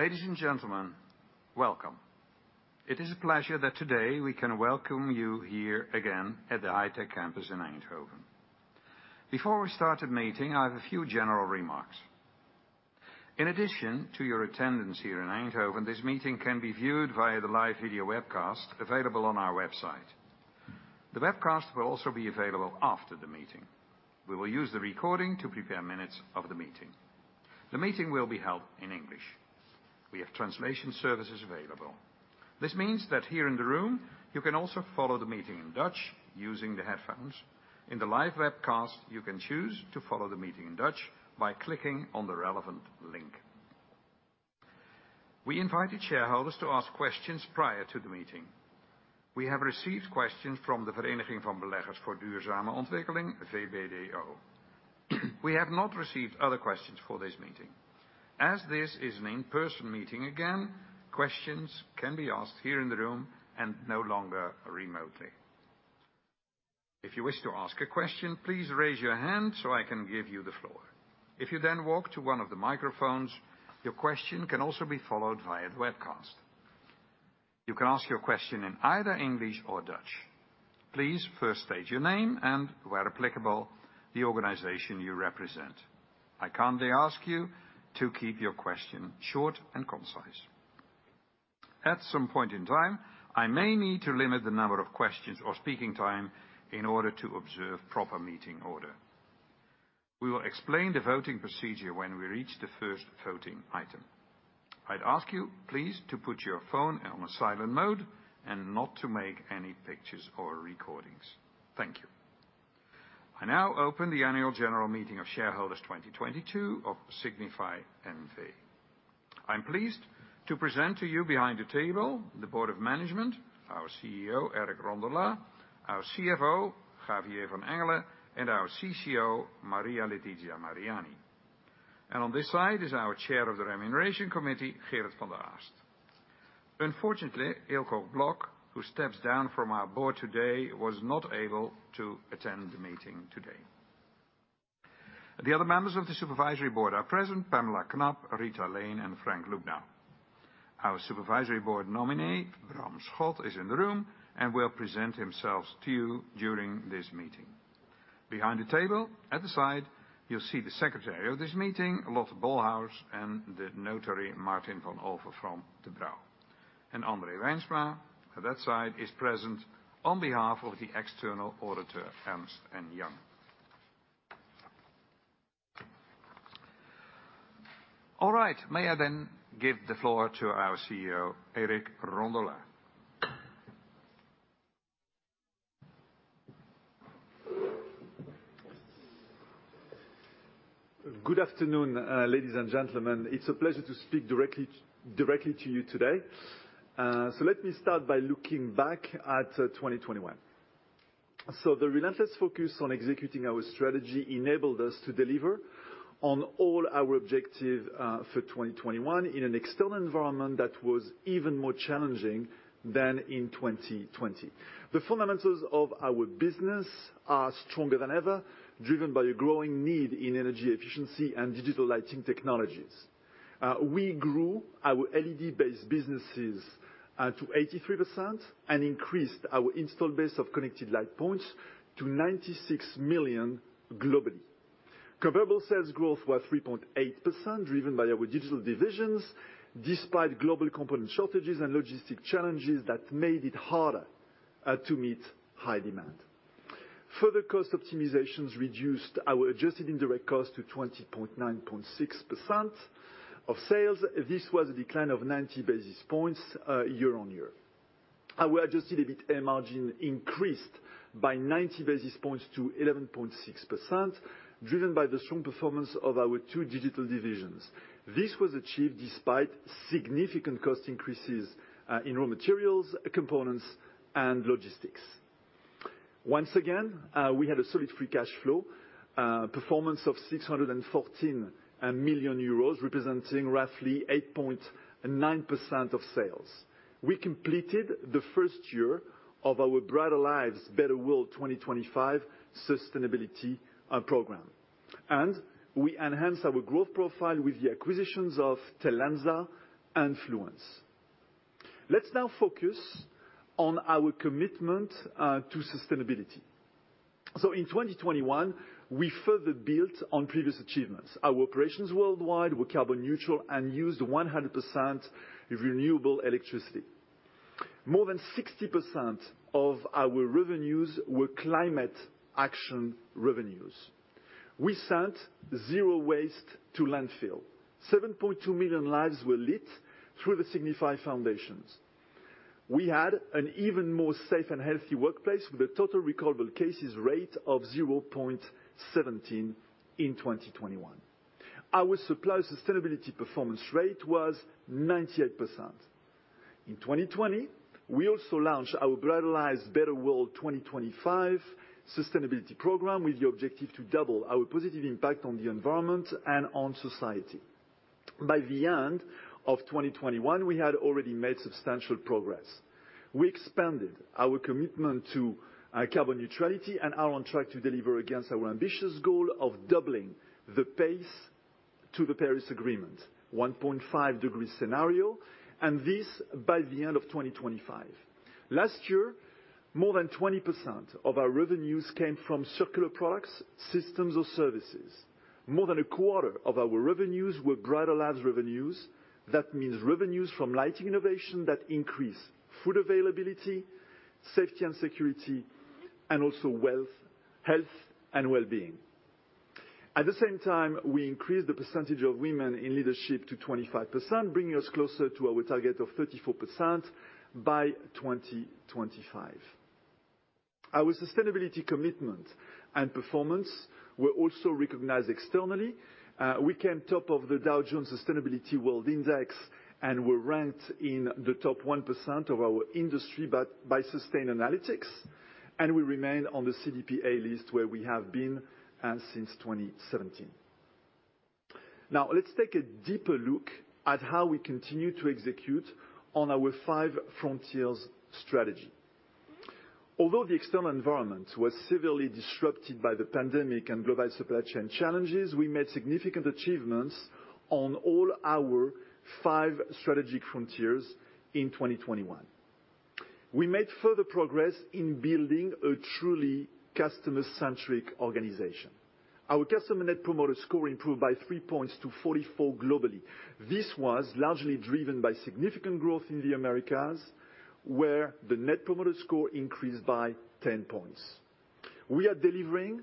Ladies and gentlemen, welcome. It is a pleasure that today we can welcome you here again at the High Tech Campus in Eindhoven. Before we start the meeting, I have a few general remarks. In addition to your attendance here in Eindhoven, this meeting can be viewed via the live video webcast available on our website. The webcast will also be available after the meeting. We will use the recording to prepare minutes of the meeting. The meeting will be held in English. We have translation services available. This means that here in the room, you can also follow the meeting in Dutch using the headphones. In the live webcast, you can choose to follow the meeting in Dutch by clicking on the relevant link. We invited shareholders to ask questions prior to the meeting. We have received questions from the Vereniging van Beleggers voor Duurzame Ontwikkeling, VBDO. We have not received other questions for this meeting. As this is an in-person meeting again, questions can be asked here in the room and no longer remotely. If you wish to ask a question, please raise your hand so I can give you the floor. If you then walk to one of the microphones, your question can also be followed via the webcast. You can ask your question in either English or Dutch. Please first state your name and, where applicable, the organization you represent. I kindly ask you to keep your question short and concise. At some point in time, I may need to limit the number of questions or speaking time in order to observe proper meeting order. We will explain the voting procedure when we reach the first voting item. I'd ask you please to put your phone on silent mode and not to make any pictures or recordings. Thank you. I now open the annual general meeting of shareholders 2022 of Signify N.V. I'm pleased to present to you behind the table the Board of Management, our CEO, Eric Rondolat, our CFO, Javier van Engelen, and our CCO, Maria Letizia Mariani. On this side is our Chair of the Remuneration Committee, Gerard van de Aast. Unfortunately, Eelco Blok, who steps down from our board today, was not able to attend the meeting today. The other members of the Supervisory Board are present, Pamela Knapp, Rita Lane, and Frank Lubnau. Our Supervisory Board nominee, Bram Schot, is in the room and will present himself to you during this meeting. Behind the table at the side, you'll see the secretary of this meeting, Lot Bolhuis, and the notary, Maarten van Halewijn from De Brauw. André Wijnsma at that side is present on behalf of the external auditor, Ernst & Young. All right. May I then give the floor to our CEO, Eric Rondolat. Good afternoon, ladies and gentlemen. It's a pleasure to speak directly to you today. Let me start by looking back at 2021. The relentless focus on executing our strategy enabled us to deliver on all our objectives for 2021 in an external environment that was even more challenging than in 2020. The fundamentals of our business are stronger than ever, driven by a growing need in energy efficiency and digital lighting technologies. We grew our LED-based businesses to 83% and increased our install base of connected light points to 96 million globally. Comparable sales growth was 3.8%, driven by our digital divisions, despite global component shortages and logistic challenges that made it harder to meet high demand. Further cost optimizations reduced our adjusted indirect cost to 29.6% of sales. This was a decline of 90 basis points year-on-year. Our adjusted EBITA margin increased by 90 basis points to 11.6%, driven by the strong performance of our two digital divisions. This was achieved despite significant cost increases in raw materials, components, and logistics. Once again, we had a solid free cash flow performance of 614 million euros, representing roughly 8.9% of sales. We completed the first year of our Brighter Lives, Better World 2025 sustainability program, and we enhanced our growth profile with the acquisitions of Telensa and Fluence. Let's now focus on our commitment to sustainability. In 2021, we further built on previous achievements. Our operations worldwide were carbon neutral and used 100% renewable electricity. More than 60% of our revenues were climate action revenues. We sent zero waste to landfill. 7.2 million lives were lit through the Signify Foundation. We had an even more safe and healthy workplace with a total recordable cases rate of 0.17 in 2021. Our supply sustainability performance rate was 98%. In 2020, we also launched our Brighter Lives, Better World 2025 sustainability program with the objective to double our positive impact on the environment and on society. By the end of 2021, we had already made substantial progress. We expanded our commitment to carbon neutrality and are on track to deliver against our ambitious goal of doubling the pace to the Paris Agreement 1.5-degree scenario, and this by the end of 2025. Last year, more than 20% of our revenues came from circular products, systems, or services. More than a quarter of our revenues were Brighter Lives revenues. That means revenues from lighting innovation that increase food availability, safety and security, and also wealth, health, and well-being. At the same time, we increased the percentage of women in leadership to 25%, bringing us closer to our target of 34% by 2025. Our sustainability commitment and performance were also recognized externally. We came top of the Dow Jones Sustainability World Index, and we're ranked in the top 1% of our industry by Sustainalytics, and we remain on the CDP A List, where we have been since 2017. Now, let's take a deeper look at how we continue to execute on our Five Frontiers strategy. Although the external environment was severely disrupted by the pandemic and global supply chain challenges, we made significant achievements on all our Five Frontiers in 2021. We made further progress in building a truly customer-centric organization. Our customer net promoter score improved by 3 points to 44 globally. This was largely driven by significant growth in the Americas, where the net promoter score increased by 10 points. We are delivering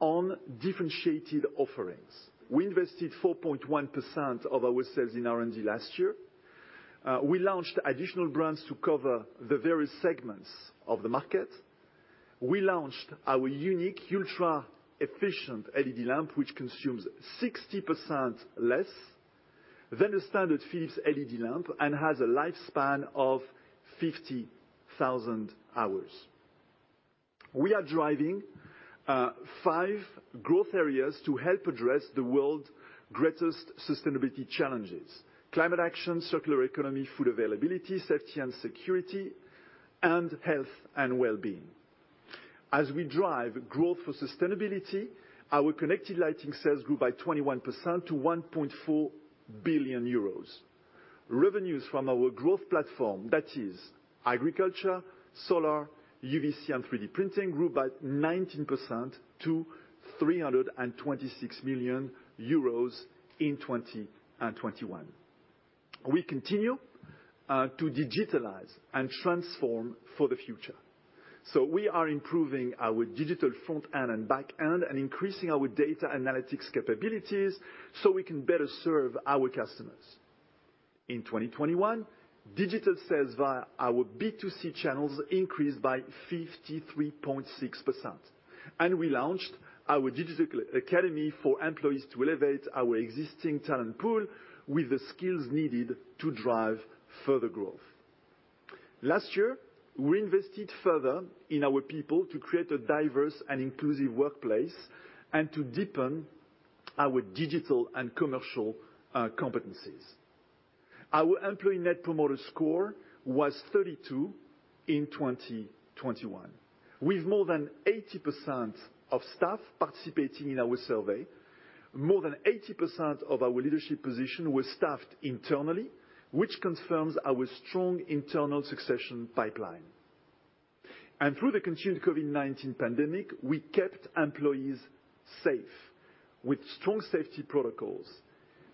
on differentiated offerings. We invested 4.1% of our sales in R&D last year. We launched additional brands to cover the various segments of the market. We launched our unique Ultra Efficient LED lamp, which consumes 60% less than a standard Philips LED lamp and has a lifespan of 50,000 hours. We are driving five growth areas to help address the world's greatest sustainability challenges. Climate action, circular economy, food availability, safety and security, and health and well-being. As we drive growth for sustainability, our connected lighting sales grew by 21% to 1.4 billion euros. Revenues from our growth platform, that is agriculture, solar, UVC and 3D printing, grew by 19% to 326 million euros in 2021. We continue to digitalize and transform for the future. We are improving our digital front end and back end and increasing our data analytics capabilities so we can better serve our customers. In 2021, digital sales via our B2C channels increased by 53.6%, and we launched our digital academy for employees to elevate our existing talent pool with the skills needed to drive further growth. Last year, we invested further in our people to create a diverse and inclusive workplace and to deepen our digital and commercial competencies. Our employee net promoter score was 32 in 2021. With more than 80% of staff participating in our survey, more than 80% of our leadership position was staffed internally, which confirms our strong internal succession pipeline. Through the continued COVID-19 pandemic, we kept employees safe with strong safety protocols.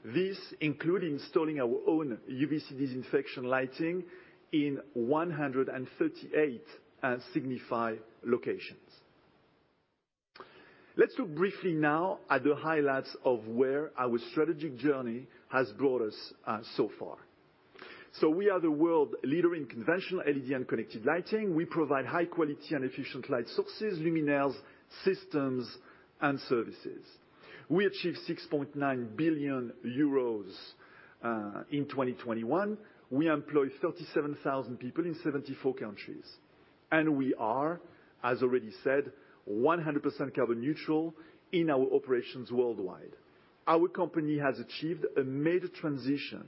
This included installing our own UVC disinfection lighting in 138 Signify locations. Let's look briefly now at the highlights of where our strategic journey has brought us so far. We are the world leader in conventional LED and connected lighting. We provide high quality and efficient light sources, luminaires, systems, and services. We achieved 6.9 billion euros in 2021. We employ 37,000 people in 74 countries, and we are, as already said, 100% carbon neutral in our operations worldwide. Our company has achieved a major transition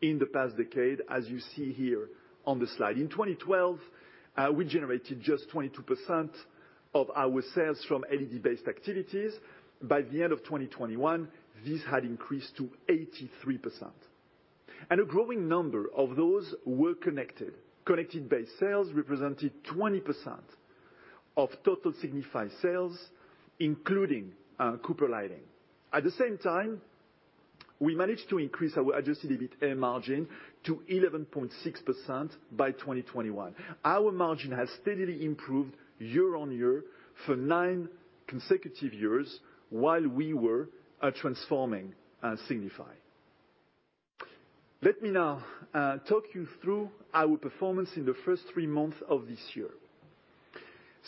in the past decade, as you see here on the slide. In 2012, we generated just 22% of our sales from LED-based activities. By the end of 2021, this had increased to 83%. A growing number of those were connected. Connected-based sales represented 20% of total Signify sales, including Cooper Lighting. At the same time, we managed to increase our adjusted EBITA margin to 11.6% by 2021. Our margin has steadily improved year on year for 9 consecutive years while we were transforming Signify. Let me now talk you through our performance in the first 3 months of this year.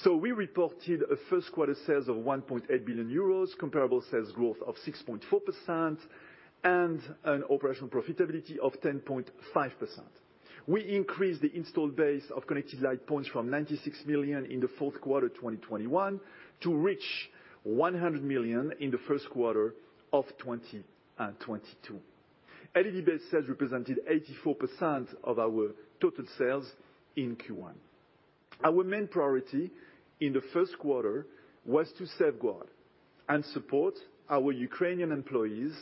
We reported first quarter sales of 1.8 billion euros, comparable sales growth of 6.4%, and an operational profitability of 10.5%. We increased the installed base of connected light points from 96 million in the fourth quarter 2021 to reach 100 million in the first quarter of 2022. LED-based sales represented 84% of our total sales in Q1. Our main priority in the first quarter was to safeguard and support our Ukrainian employees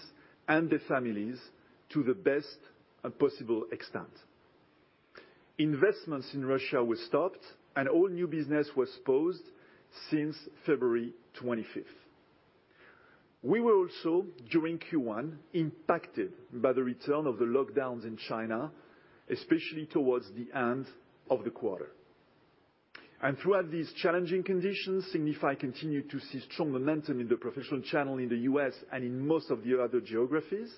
and their families to the best possible extent. Investments in Russia were stopped and all new business was paused since February 25th. We were also, during Q1, impacted by the return of the lockdowns in China, especially towards the end of the quarter. Throughout these challenging conditions, Signify continued to see strong momentum in the professional channel in the U.S. and in most of the other geographies.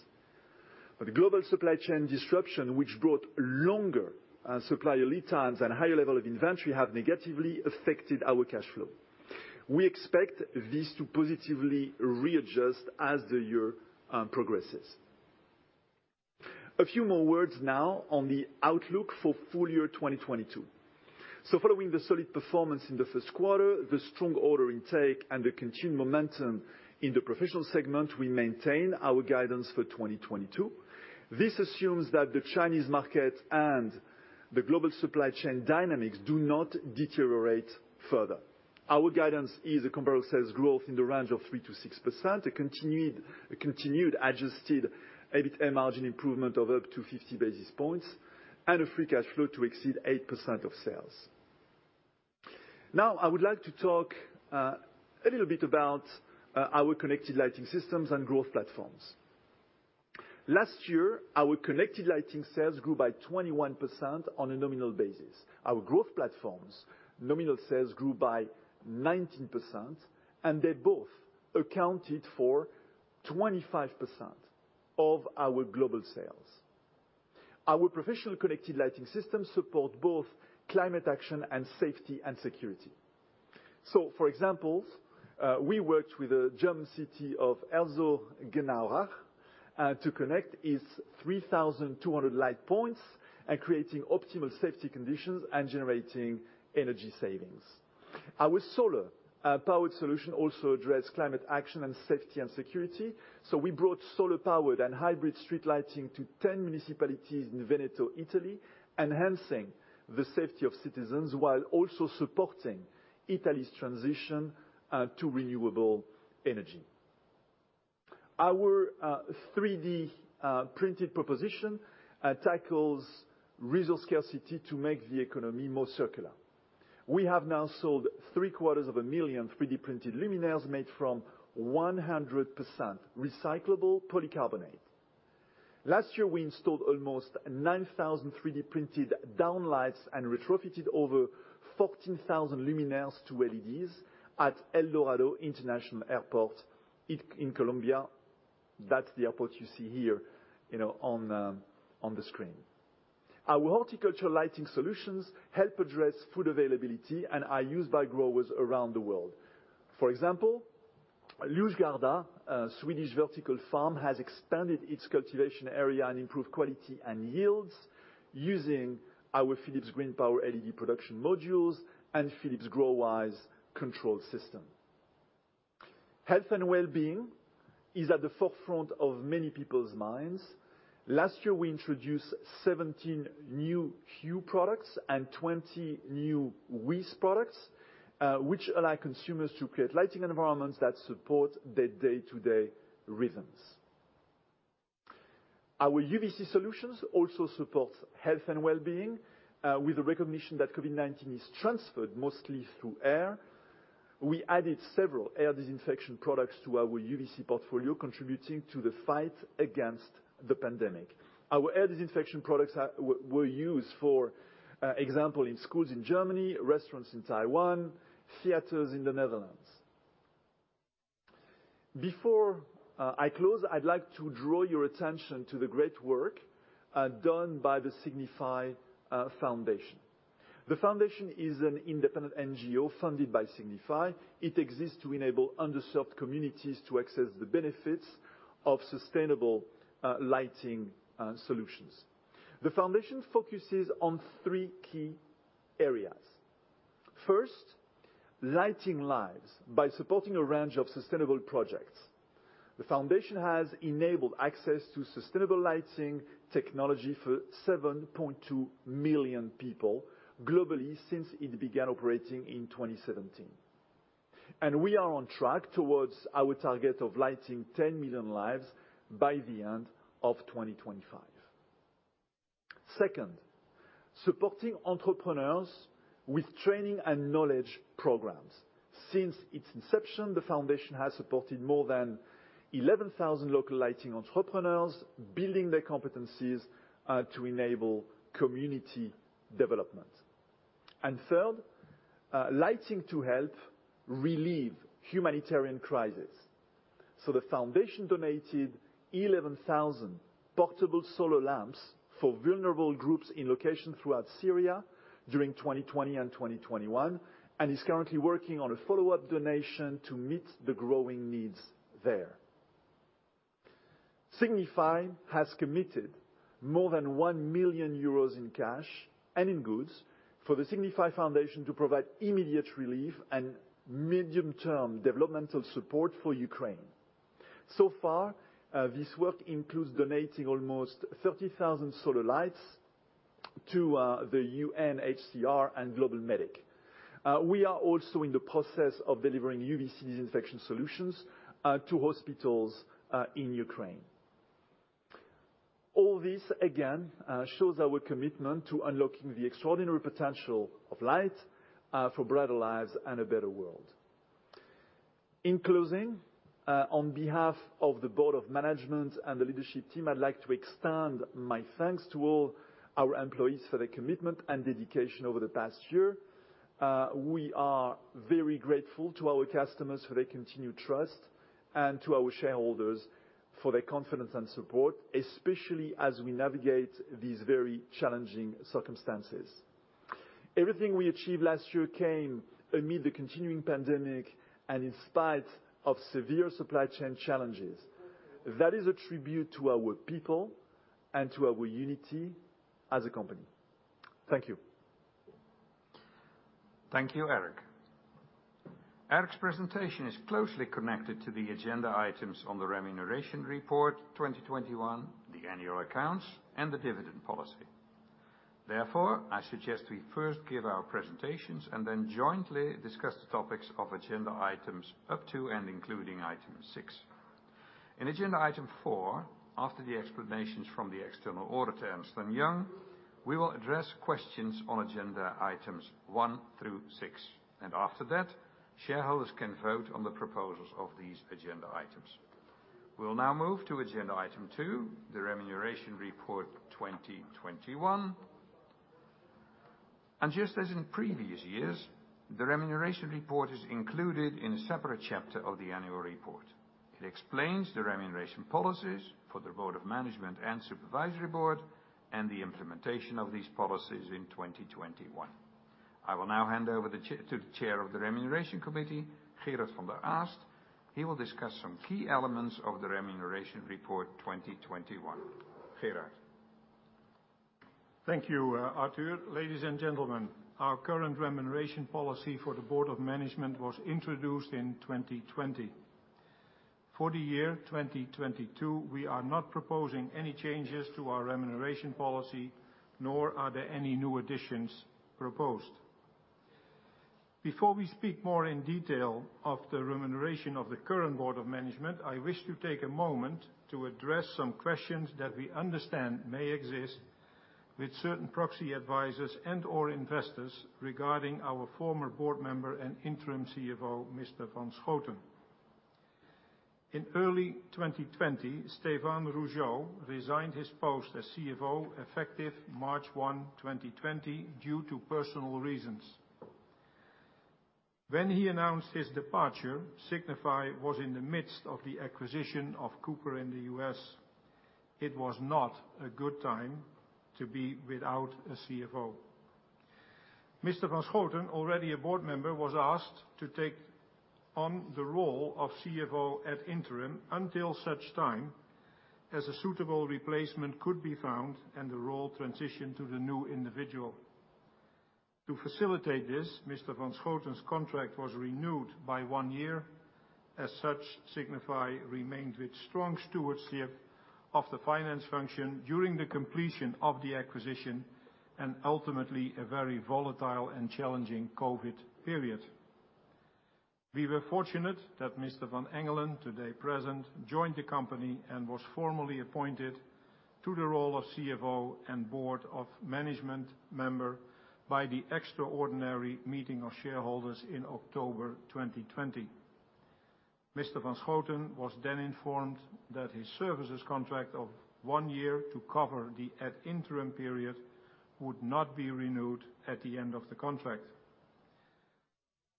The global supply chain disruption, which brought longer supply lead times and higher level of inventory, have negatively affected our cash flow. We expect this to positively readjust as the year progresses. A few more words now on the outlook for full year 2022. Following the solid performance in the first quarter, the strong order intake and the continued momentum in the professional segment, we maintain our guidance for 2022. This assumes that the Chinese market and the global supply chain dynamics do not deteriorate further. Our guidance is a comparable sales growth in the range of 3%-6%, a continued adjusted EBITA margin improvement of up to 50 basis points, and a free cash flow to exceed 8% of sales. Now I would like to talk a little bit about our connected lighting systems and growth platforms. Last year, our connected lighting sales grew by 21% on a nominal basis. Our growth platforms' nominal sales grew by 19%, and they both accounted for 25% of our global sales. Our professional connected lighting systems support both climate action and safety and security. For example, we worked with the German city of Heroldsberg to connect its 3,200 light points and creating optimal safety conditions and generating energy savings. Our solar powered solution also addressed climate action and safety and security. We brought solar powered and hybrid street lighting to 10 municipalities in Veneto, Italy, enhancing the safety of citizens while also supporting Italy's transition to renewable energy. Our 3D printed proposition tackles resource scarcity to make the economy more circular. We have now sold three quarters of a million 3D printed luminaires made from 100% recyclable polycarbonate. Last year, we installed almost 9,000 3D printed downlights and retrofitted over 14,000 luminaires to LEDs at El Dorado International Airport in Colombia. That's the airport you see here, you know, on the screen. Our horticultural lighting solutions help address food availability and are used by growers around the world. For example, Ljusgårda, a Swedish vertical farm, has expanded its cultivation area and improved quality and yields using our Philips GreenPower LED production modules and Philips GrowWise Control System. Health and well-being is at the forefront of many people's minds. Last year, we introduced 17 new Hue products and 20 new WiZ products, which allow consumers to create lighting environments that support their day-to-day rhythms. Our UVC solutions also supports health and well-being, with the recognition that COVID-19 is transferred mostly through air. We added several air disinfection products to our UVC portfolio, contributing to the fight against the pandemic. Our air disinfection products were used, for example, in schools in Germany, restaurants in Taiwan, theaters in the Netherlands. Before I close, I'd like to draw your attention to the great work done by the Signify Foundation. The foundation is an independent NGO funded by Signify. It exists to enable underserved communities to access the benefits of sustainable lighting solutions. The foundation focuses on three key areas. First, lighting lives by supporting a range of sustainable projects. The foundation has enabled access to sustainable lighting technology for 7.2 million people globally since it began operating in 2017. We are on track towards our target of lighting 10 million lives by the end of 2025. Second, supporting entrepreneurs with training and knowledge programs. Since its inception, the foundation has supported more than 11,000 local lighting entrepreneurs, building their competencies to enable community development. Third, lighting to help relieve humanitarian crisis. The foundation donated 11,000 portable solar lamps for vulnerable groups in locations throughout Syria during 2020 and 2021, and is currently working on a follow-up donation to meet the growing needs there. Signify has committed more than 1 million euros in cash and in goods for the Signify Foundation to provide immediate relief and medium-term developmental support for Ukraine. So far, this work includes donating almost 30,000 solar lights to the UNHCR and GlobalMedic. We are also in the process of delivering UVC disinfection solutions to hospitals in Ukraine. All this, again, shows our commitment to unlocking the extraordinary potential of light for Brighter Lives, Better World. In closing, on behalf of the Board of Management and the leadership team, I'd like to extend my thanks to all our employees for their commitment and dedication over the past year. We are very grateful to our customers for their continued trust and to our shareholders for their confidence and support, especially as we navigate these very challenging circumstances. Everything we achieved last year came amid the continuing pandemic and in spite of severe supply chain challenges. That is a tribute to our people and to our unity as a company. Thank you. Thank you, Eric. Eric's presentation is closely connected to the agenda items on the Remuneration Report 2021, the annual accounts, and the dividend policy. Therefore, I suggest we first give our presentations and then jointly discuss the topics of agenda items up to and including item 6. In agenda item 4, after the explanations from the external auditor, Ernst & Young, we will address questions on agenda items 1 through 6. After that, shareholders can vote on the proposals of these agenda items. We'll now move to agenda item 2, the Remuneration Report 2021. Just as in previous years, the Remuneration Report is included in a separate chapter of the annual report. It explains the remuneration policies for the Board of Management and Supervisory Board and the implementation of these policies in 2021. I will now hand over to the Chair of the Remuneration Committee, Gerard van de Aast. He will discuss some key elements of the Remuneration Report 2021. Gerard. Thank you, Arthur. Ladies and gentlemen, our current remuneration policy for the Board of Management was introduced in 2020. For the year 2022, we are not proposing any changes to our remuneration policy, nor are there any new additions proposed. Before we speak more in detail of the remuneration of the current Board of Management, I wish to take a moment to address some questions that we understand may exist with certain proxy advisors and/or investors regarding our former Board Member and Interim CFO, Mr. van Schooten. In early 2020, Stéphane Rougeot resigned his post as CFO effective March 1, 2020 due to personal reasons. When he announced his departure, Signify was in the midst of the acquisition of Cooper in the U.S. It was not a good time to be without a CFO. Mr. van Schooten, already a Board Member, was asked to take on the role of CFO at interim until such time as a suitable replacement could be found and the role transition to the new individual. To facilitate this, Mr. van Schooten's contract was renewed by one year. As such, Signify remained with strong stewardship of the finance function during the completion of the acquisition and ultimately a very volatile and challenging COVID period. We were fortunate that Mr. van Engelen, today present, joined the company and was formally appointed to the role of CFO and Board of Management Member by the extraordinary meeting of shareholders in October 2020. Mr. van Schooten was then informed that his services contract of one year to cover the at interim period would not be renewed at the end of the contract.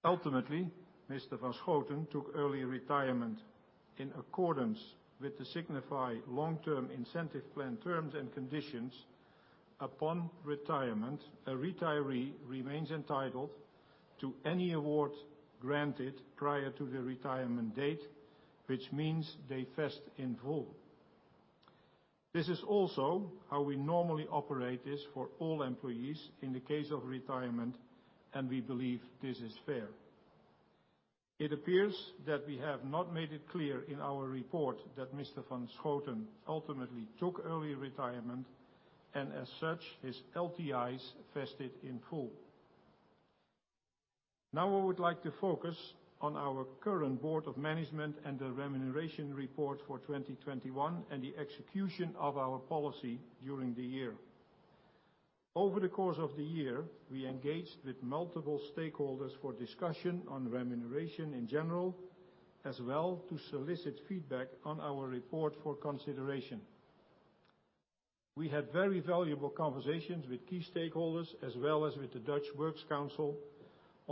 Ultimately, Mr. van Schooten took early retirement in accordance with the Signify long-term incentive plan terms and conditions. Upon retirement, a retiree remains entitled to any award granted prior to the retirement date, which means they vest in full. This is also how we normally operate this for all employees in the case of retirement, and we believe this is fair. It appears that we have not made it clear in our report that Mr. van Schooten ultimately took early retirement, and as such, his LTIs vested in full. Now I would like to focus on our current Board of Management and the Remuneration Report for 2021 and the execution of our policy during the year. Over the course of the year, we engaged with multiple stakeholders for discussion on remuneration in general, as well to solicit feedback on our report for consideration. We had very valuable conversations with key stakeholders as well as with the Dutch Works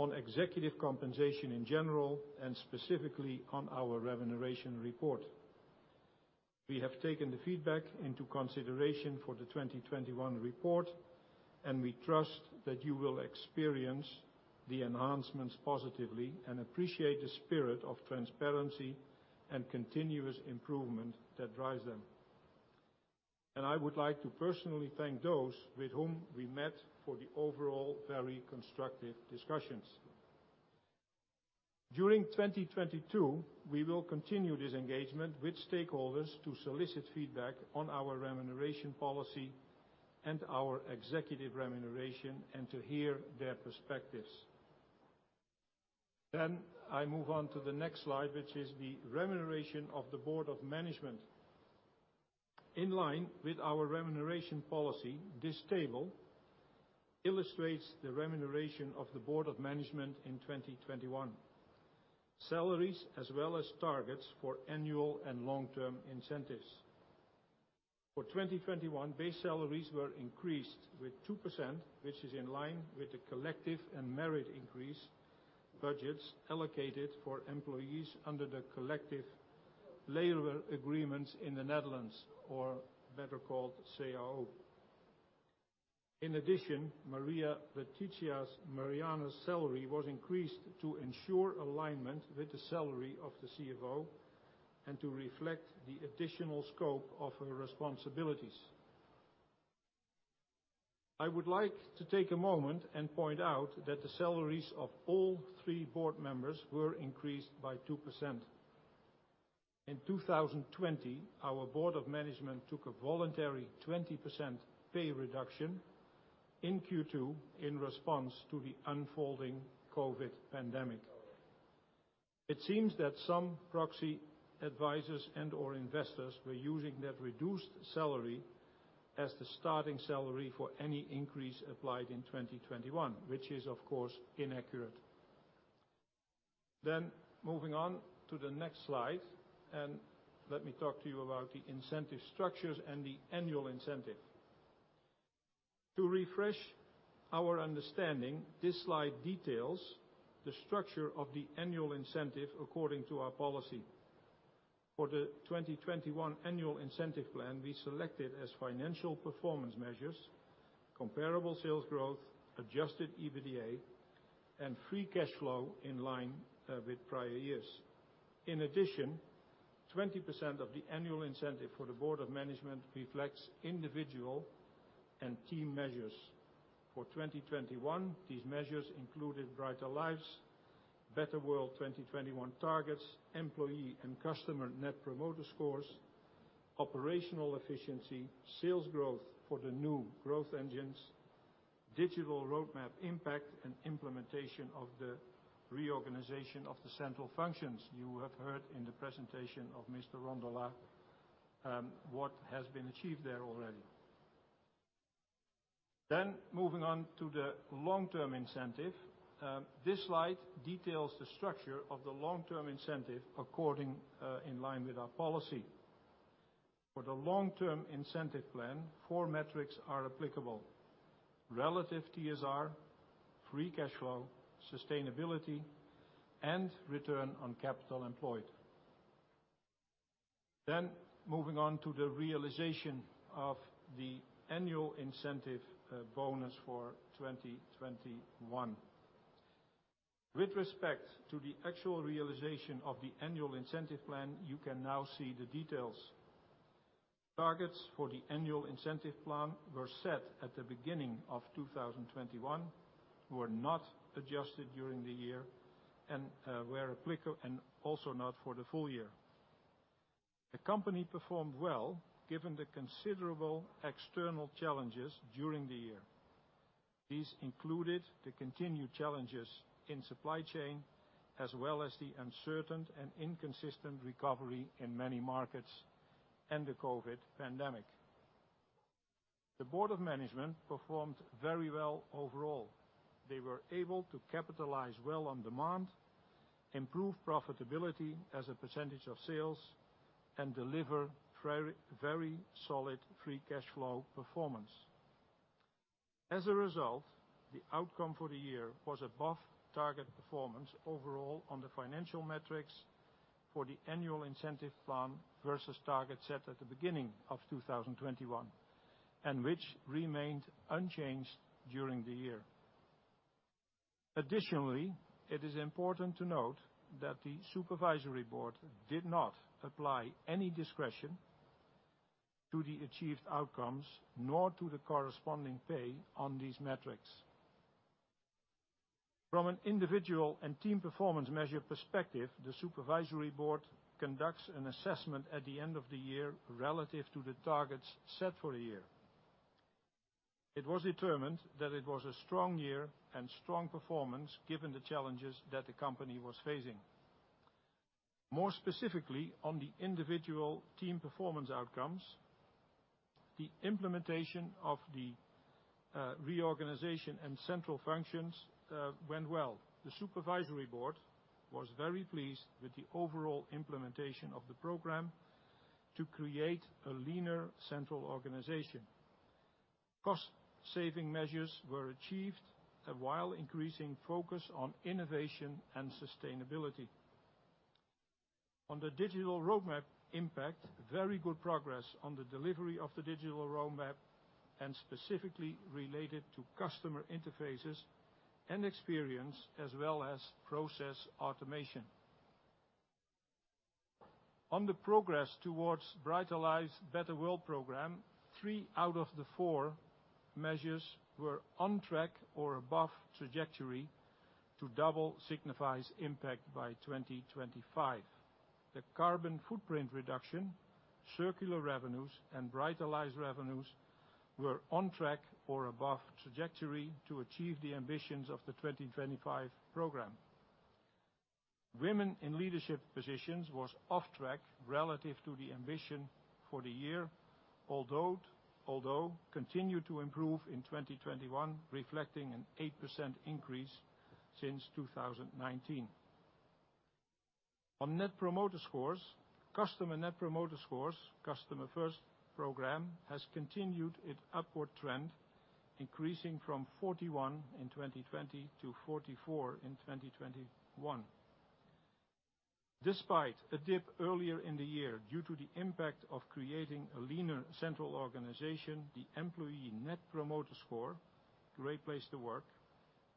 Council on executive compensation in general and specifically on our Remuneration Report. We have taken the feedback into consideration for the 2021 report. We trust that you will experience the enhancements positively and appreciate the spirit of transparency and continuous improvement that drives them. I would like to personally thank those with whom we met for the overall very constructive discussions. During 2022, we will continue this engagement with stakeholders to solicit feedback on our remuneration policy and our executive remuneration and to hear their perspectives. I move on to the next slide, which is the remuneration of the Board of Management. In line with our remuneration policy, this table illustrates the remuneration of the Board of Management in 2021. Salaries, as well as targets for annual and long-term incentives. For 2021, base salaries were increased with 2%, which is in line with the collective and merit increase budgets allocated for employees under the collective labor agreements in the Netherlands, or better called CAO. In addition, Maria Letizia Mariani's salary was increased to ensure alignment with the salary of the CFO and to reflect the additional scope of her responsibilities. I would like to take a moment and point out that the salaries of all three Board Members were increased by 2%. In 2020, our Board of Management took a voluntary 20% pay reduction in Q2 in response to the unfolding COVID pandemic. It seems that some proxy advisors and/or investors were using that reduced salary as the starting salary for any increase applied in 2021, which is, of course, inaccurate. Moving on to the next slide, and let me talk to you about the incentive structures and the annual incentive. To refresh our understanding, this slide details the structure of the annual incentive according to our policy. For the 2021 annual incentive plan, we selected as financial performance measures comparable sales growth, Adjusted EBITA, and free cash flow in line with prior years. In addition, 20% of the annual incentive for the Board of Management reflects individual and team measures. For 2021, these measures included Brighter Lives, Better World 2021 targets, employee and customer net promoter scores, operational efficiency, sales growth for the new growth engines, digital roadmap impact, and implementation of the reorganization of the central functions. You have heard in the presentation of Mr. Rondolat what has been achieved there already. Moving on to the long-term incentive. This slide details the structure of the long-term incentive in accordance with our policy. For the long-term incentive plan, four metrics are applicable: relative TSR, free cash flow, sustainability, and return on capital employed. Moving on to the realization of the annual incentive bonus for 2021. With respect to the actual realization of the annual incentive plan, you can now see the details. Targets for the annual incentive plan were set at the beginning of 2021, were not adjusted during the year, and, where applicable, not for the full year. The company performed well, given the considerable external challenges during the year. These included the continued challenges in supply chain, as well as the uncertain and inconsistent recovery in many markets and the COVID pandemic. The Board of Management performed very well overall. They were able to capitalize well on demand, improve profitability as a percentage of sales, and deliver very, very solid free cash flow performance. As a result, the outcome for the year was above target performance overall on the financial metrics for the annual incentive plan versus targets set at the beginning of 2021, and which remained unchanged during the year. Additionally, it is important to note that the Supervisory Board did not apply any discretion to the achieved outcomes, nor to the corresponding pay on these metrics. From an individual and team performance measure perspective, the Supervisory Board conducts an assessment at the end of the year relative to the targets set for the year. It was determined that it was a strong year and strong performance given the challenges that the company was facing. More specifically, on the individual team performance outcomes, the implementation of the reorganization and central functions went well. The Supervisory Board was very pleased with the overall implementation of the program to create a leaner central organization. Cost saving measures were achieved while increasing focus on innovation and sustainability. On the digital roadmap impact, very good progress on the delivery of the digital roadmap, and specifically related to customer interfaces and experience as well as process automation. On the progress towards Brighter Lives, Better World program, three out of the four measures were on track or above trajectory to double Signify's impact by 2025. The carbon footprint reduction, circular revenues, and Brighter Lives revenues were on track or above trajectory to achieve the ambitions of the 2025 program. Women in leadership positions was off track relative to the ambition for the year, although continued to improve in 2021, reflecting an 8% increase since 2019. On customer net promoter scores, Customer First program has continued its upward trend, increasing from 41 in 2020 to 44 in 2021. Despite a dip earlier in the year due to the impact of creating a leaner central organization, the employee net promoter score, Great Place to Work,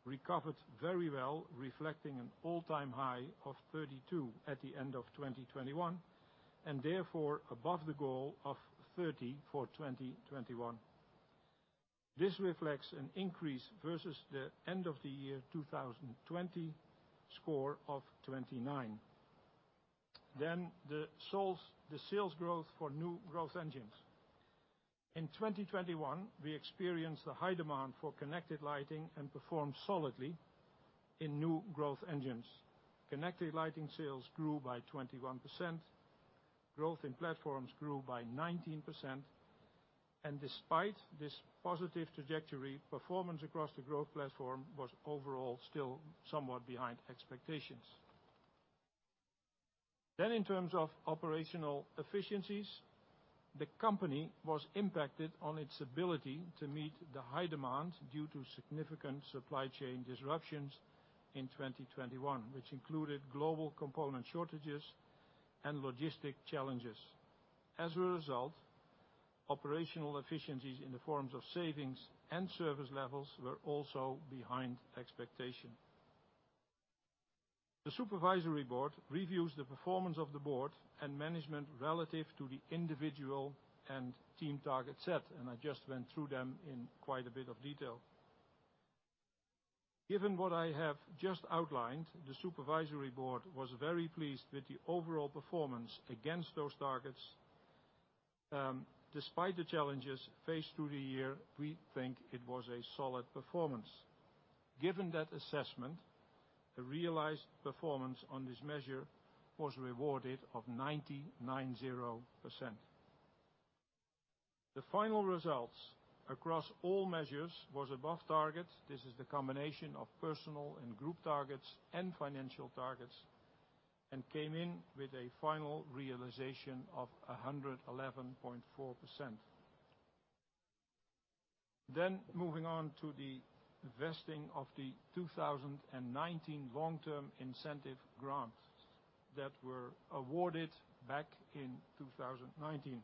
recovered very well, reflecting an all-time high of 32 at the end of 2021, and therefore above the goal of 30 for 2021. This reflects an increase versus the end of the year 2020 score of 29. The sales growth for new growth engines. In 2021, we experienced a high demand for connected lighting and performed solidly in new growth engines. Connected lighting sales grew by 21%, growth in platforms grew by 19%, and despite this positive trajectory, performance across the growth platform was overall still somewhat behind expectations. In terms of operational efficiencies, the company was impacted on its ability to meet the high demand due to significant supply chain disruptions in 2021, which included global component shortages and logistical challenges. As a result, operational efficiencies in the forms of savings and service levels were also behind expectations. The Supervisory Board reviews the performance of the Board and Management relative to the individual and team targets set, and I just went through them in quite a bit of detail. Given what I have just outlined, the Supervisory Board was very pleased with the overall performance against those targets. Despite the challenges faced through the year, we think it was a solid performance. Given that assessment, the realized performance on this measure was rewarded of 99.0%. The final results across all measures was above target. This is the combination of personal and Group targets and financial targets, and came in with a final realization of 111.4%. Moving on to the vesting of the 2019 long-term incentive grants that were awarded back in 2019.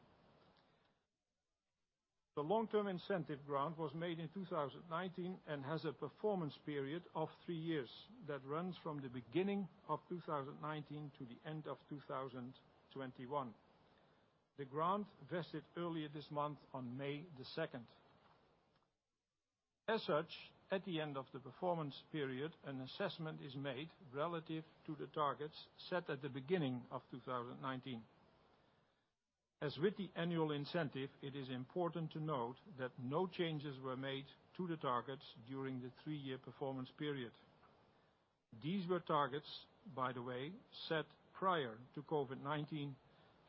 The long-term incentive grant was made in 2019 and has a performance period of three years that runs from the beginning of 2019 to the end of 2021. The grant vested earlier this month on May 2. As such, at the end of the performance period, an assessment is made relative to the targets set at the beginning of 2019. As with the annual incentive, it is important to note that no changes were made to the targets during the three-year performance period. These were targets, by the way, set prior to COVID-19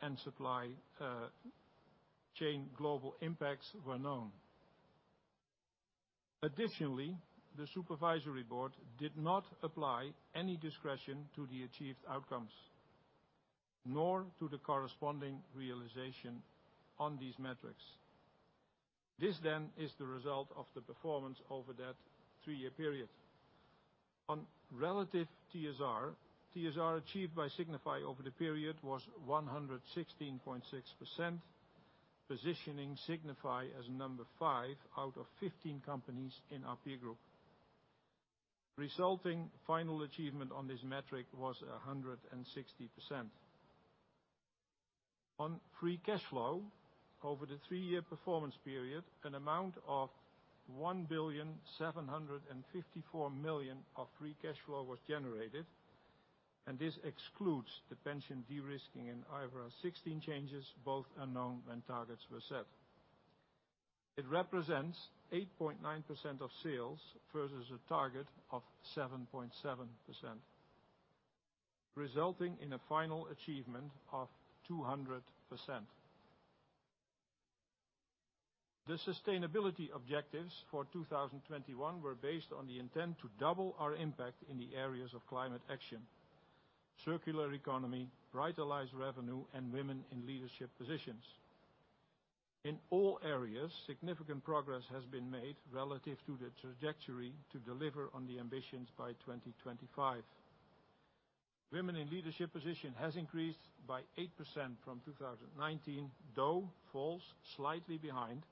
and supply chain global impacts were known. Additionally, the Supervisory Board did not apply any discretion to the achieved outcomes nor to the corresponding realization on these metrics. This then is the result of the performance over that three-year period. On relative TSR achieved by Signify over the period was 116.6%, positioning Signify as number 5 out of 15 companies in our peer group. Resulting final achievement on this metric was 160%. On free cash flow over the three-year performance period, an amount of 1,754 million of free cash flow was generated, and this excludes the pension de-risking in IFRS 16 changes, both unknown when targets were set. It represents 8.9% of sales versus a target of 7.7%, resulting in a final achievement of 200%. The sustainability objectives for 2021 were based on the intent to double our impact in the areas of climate action, circular economy, Brighter Lives revenue, and women in leadership positions. In all areas, significant progress has been made relative to the trajectory to deliver on the ambitions by 2025. Women in leadership positions has increased by 8% from 2019, though falls slightly behind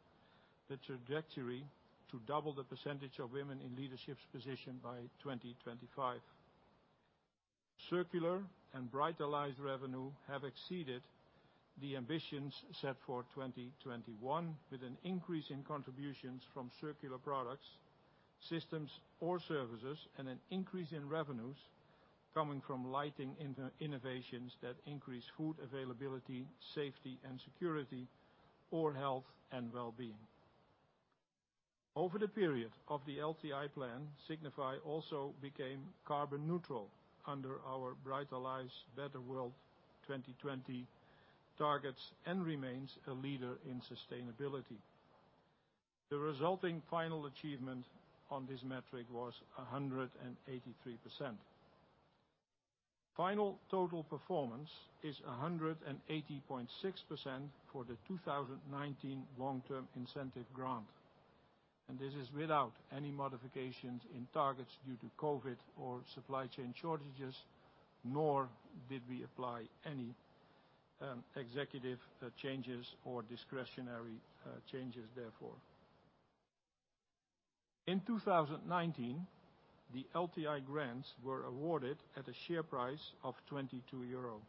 the trajectory to double the percentage of women in leadership positions by 2025. Circular and Brighter Lives revenue have exceeded the ambitions set for 2021, with an increase in contributions from circular products, systems, or services, and an increase in revenues coming from lighting innovations that increase food availability, safety and security, or health and well-being. Over the period of the LTI plan, Signify also became carbon neutral under our Brighter Lives, Better World 2020 targets and remains a leader in sustainability. The resulting final achievement on this metric was 183%. Final total performance is 180.6% for the 2019 long-term incentive grant, and this is without any modifications in targets due to COVID or supply chain shortages, nor did we apply any executive changes or discretionary changes therefore. In 2019, the LTI grants were awarded at a share price of 22 euro.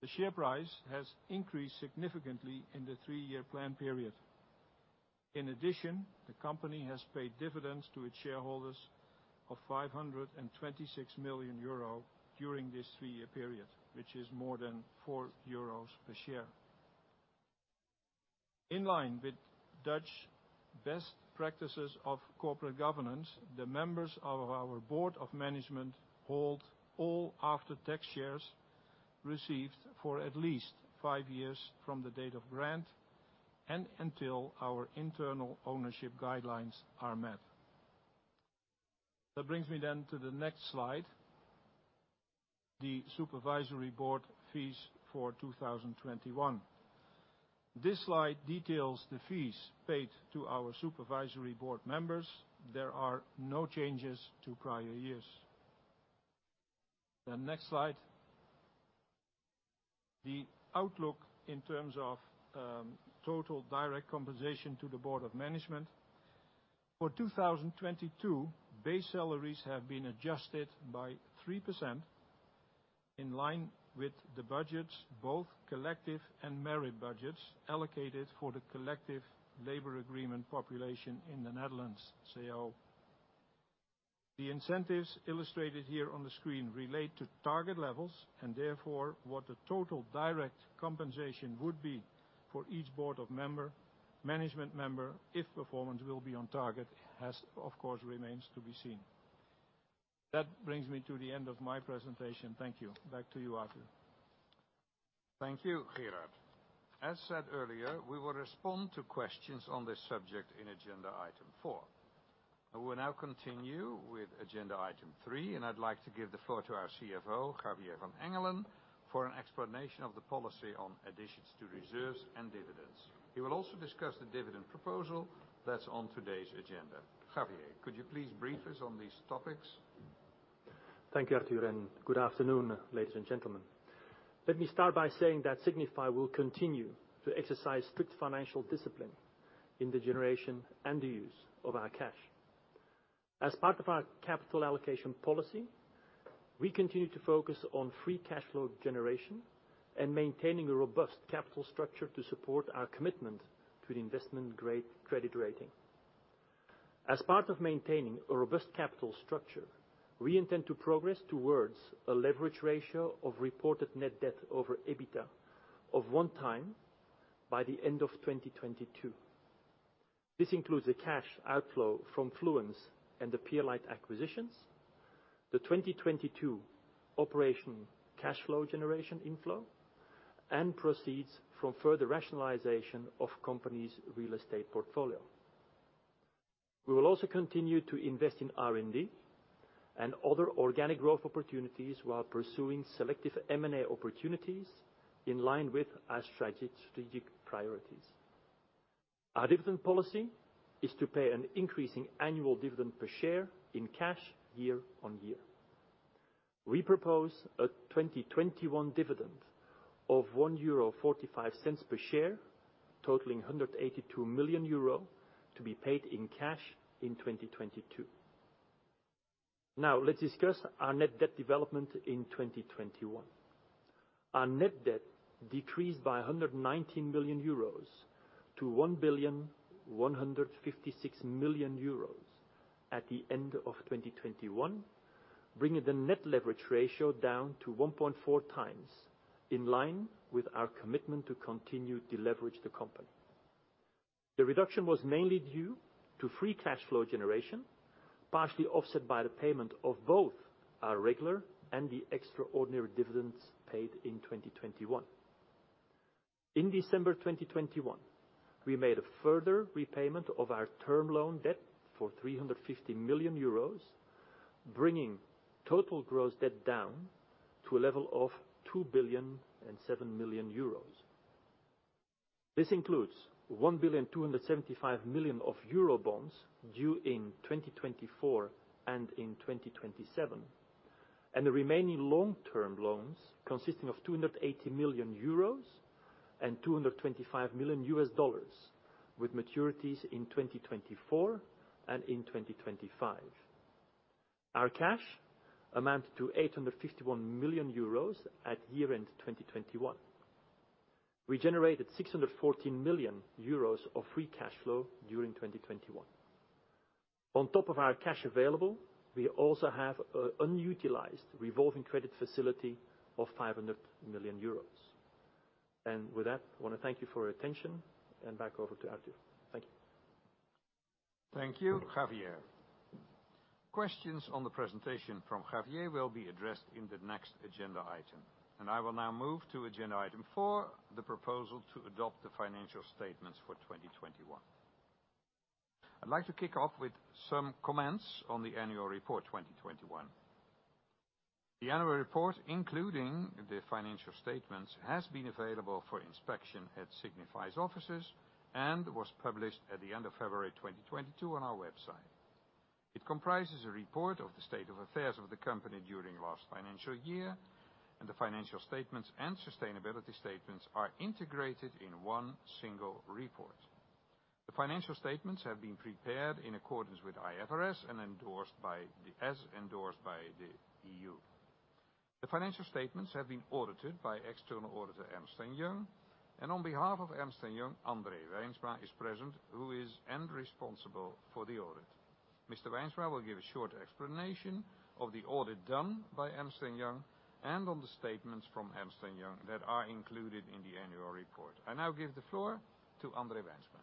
The share price has increased significantly in the three-year plan period. In addition, the company has paid dividends to its shareholders of 526 million euro during this three-year period, which is more than 4 euros per share. In line with Dutch best practices of corporate governance, the Members of our Board of Management hold all after-tax shares received for at least 5 years from the date of grant and until our internal ownership guidelines are met. That brings me then to the next slide, the Supervisory Board fees for 2021. This slide details the fees paid to our Supervisory Board Members. There are no changes to prior years. The next slide, the outlook in terms of total direct compensation to the Board of Management. For 2022, base salaries have been adjusted by 3% in line with the budgets, both collective and merit budgets allocated for the collective labor agreement population in the Netherlands CAO. The incentives illustrated here on the screen relate to target levels, and therefore, what the total direct compensation would be for each Board Member, Management Member, if performance will be on target, which of course remains to be seen. That brings me to the end of my presentation. Thank you. Back to you, Arthur. Thank you, Gerard. As said earlier, we will respond to questions on this subject in agenda item four. I will now continue with agenda item three, and I'd like to give the floor to our CFO, Javier van Engelen, for an explanation of the policy on additions to reserves and dividends. He will also discuss the dividend proposal that's on today's agenda. Javier, could you please brief us on these topics? Thank you, Arthur, and good afternoon, ladies and gentlemen. Let me start by saying that Signify will continue to exercise strict financial discipline in the generation and the use of our cash. As part of our capital allocation policy, we continue to focus on free cash flow generation and maintaining a robust capital structure to support our commitment to the investment-grade credit rating. As part of maintaining a robust capital structure, we intend to progress towards a leverage ratio of reported net debt over EBITDA of 1x by the end of 2022. This includes a cash outflow from Fluence and the Pierlite acquisitions, the 2022 operational cash flow generation inflow, and proceeds from further rationalization of company's real estate portfolio. We will also continue to invest in R&D and other organic growth opportunities while pursuing selective M&A opportunities in line with our strategic priorities. Our dividend policy is to pay an increasing annual dividend per share in cash year on year. We propose a 2021 dividend of 1.45 euro per share, totaling 182 million euro to be paid in cash in 2022. Now, let's discuss our net debt development in 2021. Our net debt decreased by 119 million-1,156 million euros at the end of 2021, bringing the net leverage ratio down to 1.4x in line with our commitment to continue to leverage the company. The reduction was mainly due to free cash flow generation, partially offset by the payment of both our regular and the extraordinary dividends paid in 2021. In December 2021, we made a further repayment of our term loan debt for 350 million euros. Bringing total gross debt down to a level of 2.007 billion. This includes 1.275 billion of euro bonds due in 2024 and in 2027, and the remaining long-term loans consisting of 280 million euros and $225 million with maturities in 2024 and in 2025. Our cash amount to 851 million euros at year-end 2021. We generated 614 million euros of free cash flow during 2021. On top of our cash available, we also have unutilized revolving credit facility of 500 million euros. With that, I wanna thank you for your attention and back over to Arthur. Thank you. Thank you, Javier. Questions on the presentation from Javier will be addressed in the next agenda item. I will now move to agenda item four, the proposal to adopt the financial statements for 2021. I'd like to kick off with some comments on the annual report 2021. The annual report, including the financial statements, has been available for inspection at Signify's offices and was published at the end of February 2022 on our website. It comprises a report of the state of affairs of the company during last financial year, and the financial statements and sustainability statements are integrated in one single report. The financial statements have been prepared in accordance with IFRS, as endorsed by the EU. The financial statements have been audited by external auditor Ernst & Young. On behalf of Ernst & Young, André Wijnsma is present, who is end-responsible for the audit. Mr. Wijnsma will give a short explanation of the audit done by Ernst & Young and on the statements from Ernst & Young that are included in the annual report. I now give the floor to André Wijnsma.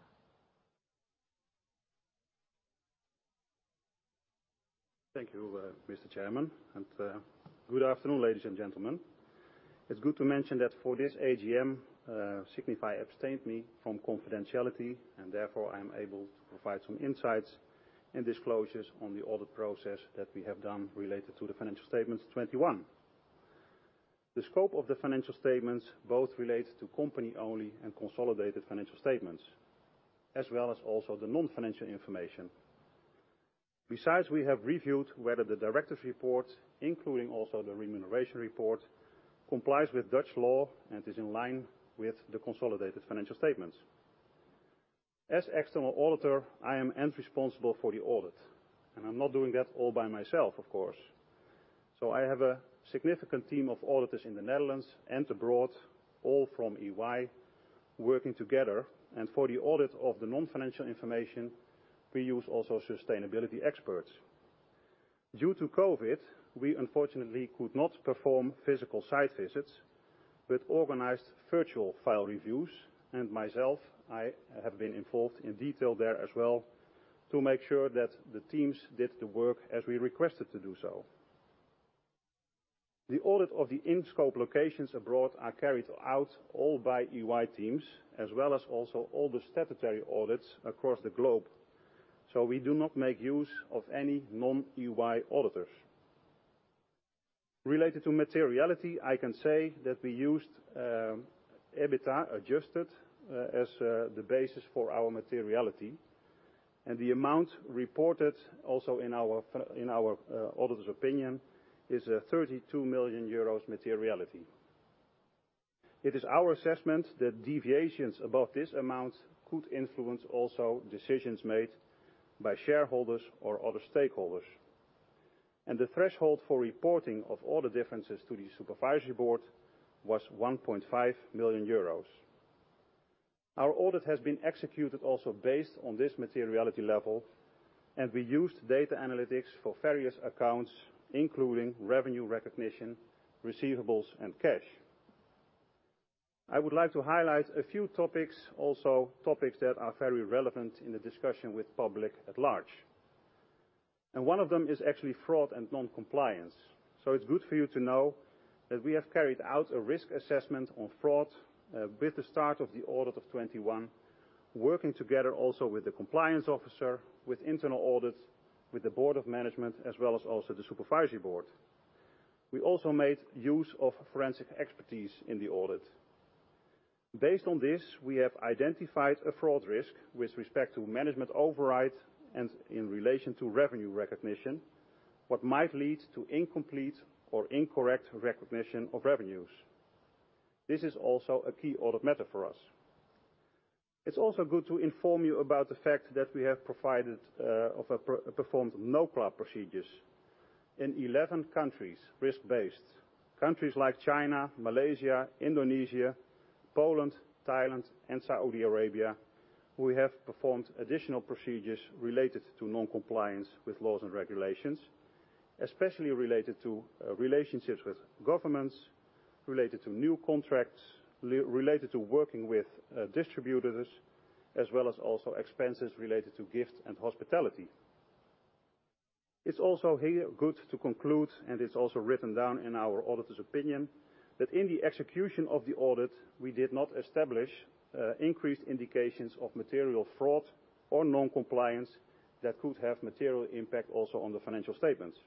Thank you, Mr. Chairman. Good afternoon, ladies and gentlemen. It's good to mention that for this AGM, Signify has exempted me from confidentiality and therefore I'm able to provide some insights and disclosures on the audit process that we have done related to the financial statements 2021. The scope of the financial statements both relates to company only and consolidated financial statements, as well as also the non-financial information. Besides, we have reviewed whether the directors' report, including also the remuneration report, complies with Dutch law and is in line with the consolidated financial statements. As external auditor, I am ultimately responsible for the audit, and I'm not doing that all by myself, of course. I have a significant team of auditors in the Netherlands and abroad, all from EY, working together. For the audit of the non-financial information, we use also sustainability experts. Due to COVID, we unfortunately could not perform physical site visits, but organized virtual file reviews. Myself, I have been involved in detail there as well to make sure that the teams did the work as we requested to do so. The audit of the in-scope locations abroad are carried out all by EY teams, as well as also all the statutory audits across the globe. We do not make use of any non-EY auditors. Related to materiality, I can say that we used adjusted EBITA as the basis for our materiality, and the amount reported also in our Auditor's Opinion is a 32 million euros materiality. It is our assessment that deviations above this amount could influence also decisions made by shareholders or other stakeholders. The threshold for reporting of all the differences to the Supervisory Board was 1.5 million euros. Our audit has been executed also based on this materiality level, and we used data analytics for various accounts, including revenue recognition, receivables, and cash. I would like to highlight a few topics, also topics that are very relevant in the discussion with public at large. One of them is actually fraud and noncompliance. It's good for you to know that we have carried out a risk assessment on fraud, with the start of the audit of 2021, working together also with the compliance officer, with internal audits, with the Board of Management, as well as also the Supervisory Board. We also made use of forensic expertise in the audit. Based on this, we have identified a fraud risk with respect to management override and in relation to revenue recognition, what might lead to incomplete or incorrect recognition of revenues. This is also a key audit matter for us. It's also good to inform you about the fact that we have performed NOCLAR procedures. In 11 countries, risk-based countries like China, Malaysia, Indonesia, Poland, Thailand, and Saudi Arabia, we have performed additional procedures related to noncompliance with laws and regulations, especially related to relationships with governments, related to new contracts, related to working with distributors, as well as also expenses related to gift and hospitality. It's also here good to conclude, and it's also written down in our Auditor's Opinion, that in the execution of the audit, we did not establish increased indications of material fraud or noncompliance that could have material impact also on the financial statements.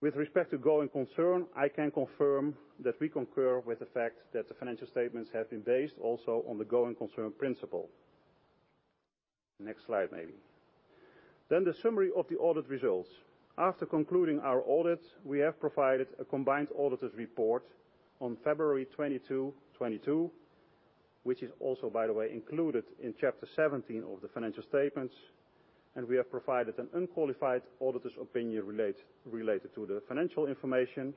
With respect to going concern, I can confirm that we concur with the fact that the financial statements have been based also on the going concern principle. Next slide maybe. The summary of the audit results. After concluding our audit, we have provided a combined auditor's report on February 22, 2022, which is also by the way, included in Chapter 17 of the financial statements, and we have provided an unqualified Auditor's Opinion related to the financial information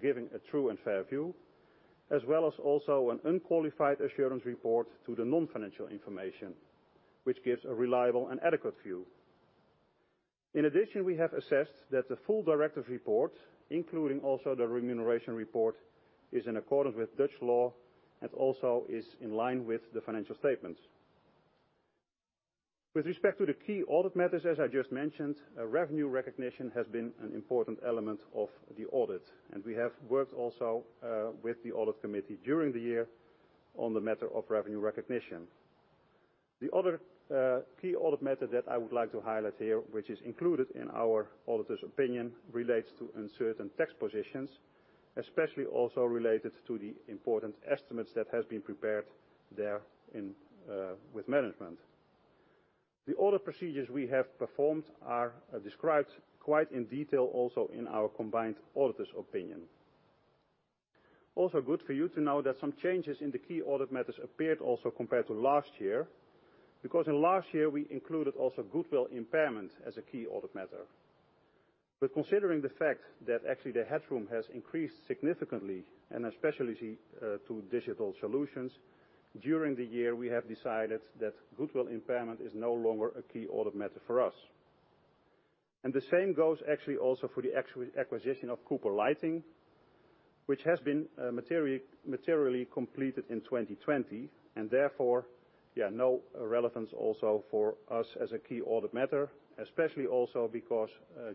giving a true and fair view, as well as also an unqualified assurance report to the non-financial information, which gives a reliable and adequate view. In addition, we have assessed that the full directors' report, including also the remuneration report, is in accordance with Dutch law and also is in line with the financial statements. With respect to the key audit matters, as I just mentioned, revenue recognition has been an important element of the audit, and we have worked also, with the Audit Committee during the year on the matter of revenue recognition. The other, key audit matter that I would like to highlight here, which is included in our Auditor's Opinion, relates to uncertain tax positions, especially also related to the important estimates that has been prepared there in, with management. The audit procedures we have performed are, described quite in detail also in our combined Auditor's Opinion. Also good for you to know that some changes in the key audit matters appeared also compared to last year, because in last year we included also goodwill impairment as a key audit matter. Considering the fact that actually the headroom has increased significantly, and especially to digital solutions during the year, we have decided that goodwill impairment is no longer a key audit matter for us. The same goes actually also for the acquisition of Cooper Lighting, which has been materially completed in 2020 and therefore no relevance also for us as a key audit matter, especially also because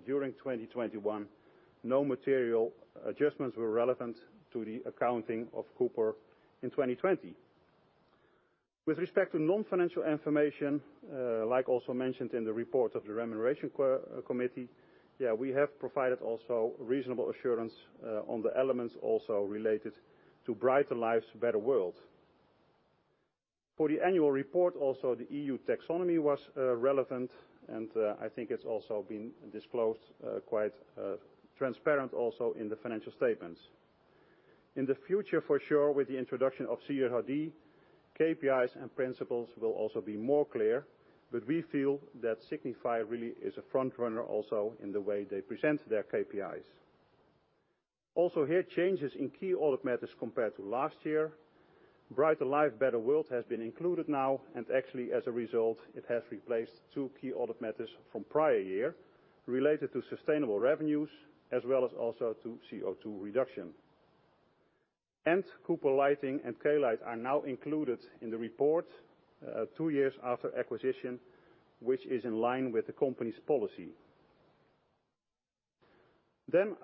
during 2021, no material adjustments were relevant to the accounting of Cooper in 2020. With respect to non-financial information, like also mentioned in the report of the Remuneration Committee, we have provided also reasonable assurance on the elements also related to Brighter Lives, Better World. For the annual report, also, the EU taxonomy was relevant, and I think it's also been disclosed quite transparent also in the financial statements. In the future, for sure, with the introduction of CSRD, KPIs and principles will also be more clear, but we feel that Signify really is a front runner also in the way they present their KPIs. Also here, changes in key audit matters compared to last year. Brighter Lives, Better World has been included now, and actually as a result, it has replaced two key audit matters from prior year related to sustainable revenues as well as also to CO2 reduction. Cooper Lighting and Klite are now included in the report, two years after acquisition, which is in line with the company's policy.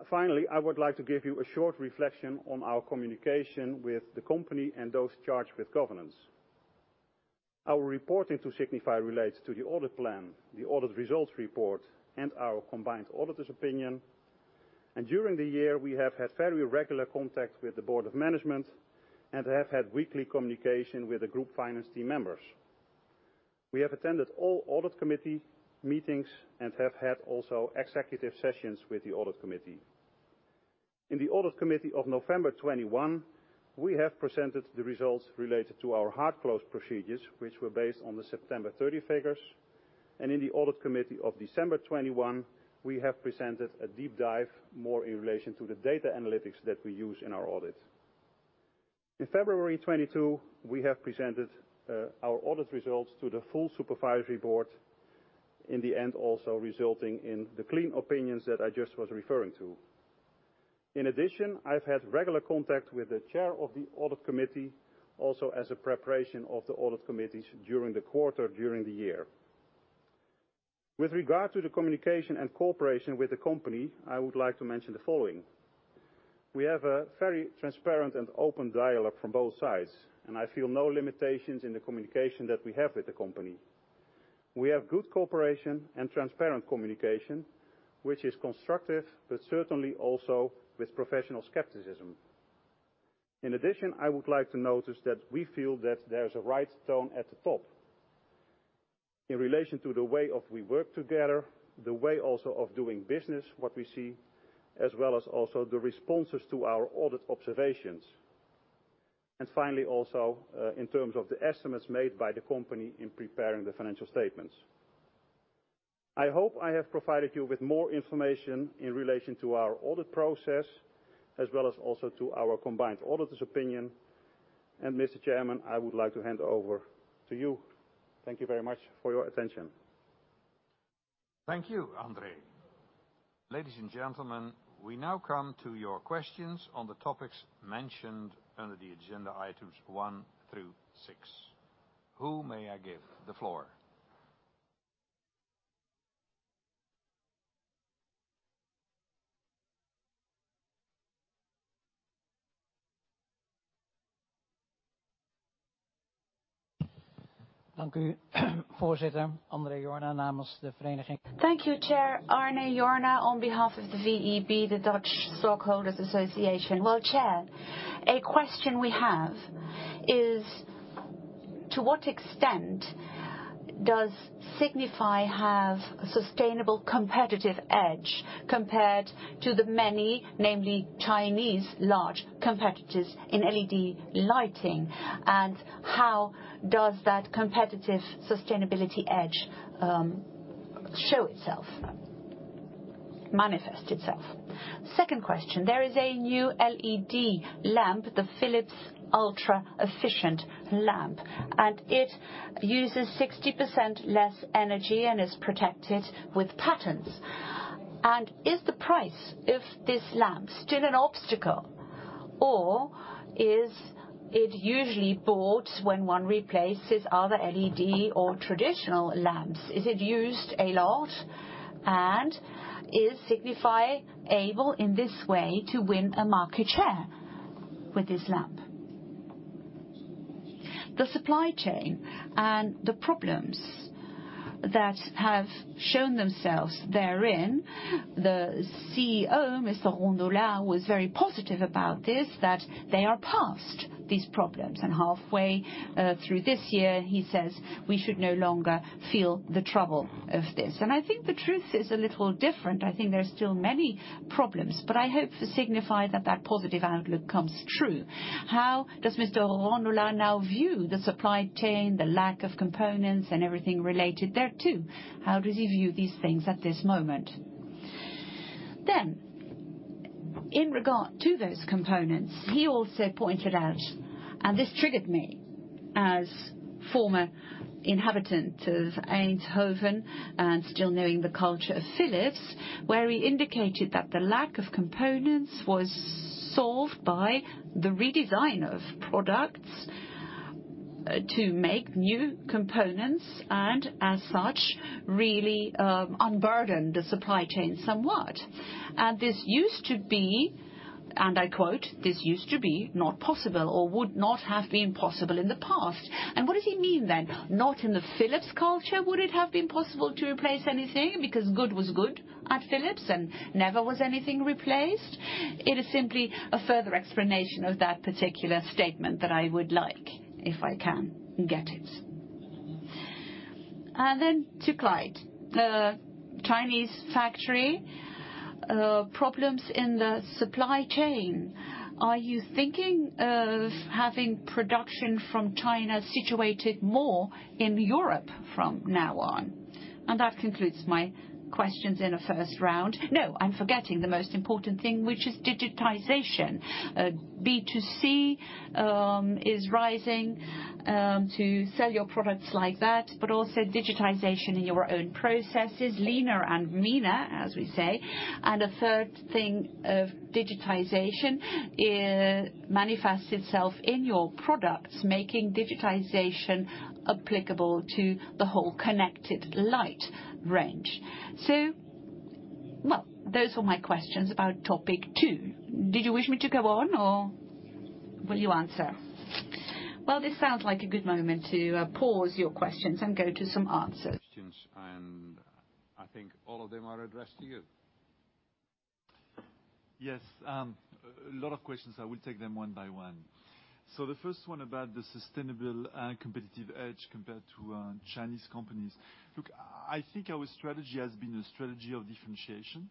Finally, I would like to give you a short reflection on our communication with the company and those charged with governance. Our reporting to Signify relates to the Audit Plan, the audit results report, and our combined Auditor's Opinion. During the year, we have had very regular contact with the Board of Management and have had weekly communication with the Group finance team members. We have attended all Audit Committee meetings and have had also executive sessions with the Audit Committee. In the Audit Committee of November 2021, we have presented the results related to our hard close procedures, which were based on the September 30 figures, and in the Audit Committee of December 2021, we have presented a deep dive, more in relation to the data analytics that we use in our audit. In February 2022, we have presented, our audit results to the full Supervisory Board. In the end, also resulting in the clean opinions that I just was referring to. In addition, I've had regular contact with the Chair of the Audit Committee, also as a preparation of the Audit Committees during the quarter, during the year. With regard to the communication and cooperation with the company, I would like to mention the following. We have a very transparent and open dialogue from both sides, and I feel no limitations in the communication that we have with the company. We have good cooperation and transparent communication, which is constructive, but certainly also with professional skepticism. In addition, I would like to notice that we feel that there's a right tone at the top in relation to the way we work together, the way also of doing business, what we see, as well as also the responses to our audit observations. Finally, also, in terms of the estimates made by the company in preparing the financial statements. I hope I have provided you with more information in relation to our audit process as well as also to our combined Auditor's Opinion. Mr. Chairman, I would like to hand over to you. Thank you very much for your attention. Thank you, André. Ladies and gentlemen, we now come to your questions on the topics mentioned under the agenda items one through six. Who may I give the floor? Dank u. Voorzitter André Jorna namens de vereniging. Thank you, Chair. André Jorna on behalf of the VEB, the Dutch Stockholders Association. Well, Chair, a question we have is to what extent does Signify have a sustainable competitive edge compared to the many, namely Chinese, large competitors in LED lighting, and how does that competitive sustainability edge show itself, manifest itself? Second question. There is a new LED lamp, the Philips Ultra Efficient LED, and it uses 60% less energy and is protected with patents. Is the price of this lamp still an obstacle, or is it usually bought when one replaces other LED or traditional lamps? Is it used a lot, and is Signify able in this way to win a market share with this lamp? The supply chain and the problems that have shown themselves therein, the CEO, Mr. Rondolat was very positive about this, that they are past these problems, and halfway through this year, he says we should no longer feel the trouble of this. I think the truth is a little different. I think there are still many problems, but I hope for Signify that that positive outlook comes true. How does Mr. Rondolat now view the supply chain, the lack of components and everything related thereto? How does he view these things at this moment? In regard to those components, he also pointed out, and this triggered me as former inhabitant of Eindhoven and still knowing the culture of Philips, where he indicated that the lack of components was solved by the redesign of products to make new components and as such, really, unburden the supply chain somewhat. This used to be, and I quote, "This used to be not possible or would not have been possible in the past." What does he mean then? Not in the Philips culture would it have been possible to replace anything because good was good at Philips and never was anything replaced. It is simply a further explanation of that particular statement that I would like if I can get it. Then to Klite, the Chinese factory, problems in the supply chain. Are you thinking of having production from China situated more in Europe from now on? That concludes my questions in a first round. No, I'm forgetting the most important thing, which is digitization. B2C is rising to sell your products like that, but also digitization in your own processes, leaner and meaner, as we say. A third thing of digitization manifests itself in your products, making digitization applicable to the whole connected light range. Well, those were my questions about topic two. Did you wish me to go on or will you answer? Well, this sounds like a good moment to pause your questions and go to some answers. Questions, and I think all of them are addressed to you. Yes, a lot of questions. I will take them one by one. The first one about the sustainable and competitive edge compared to Chinese companies. Look, I think our strategy has been a strategy of differentiation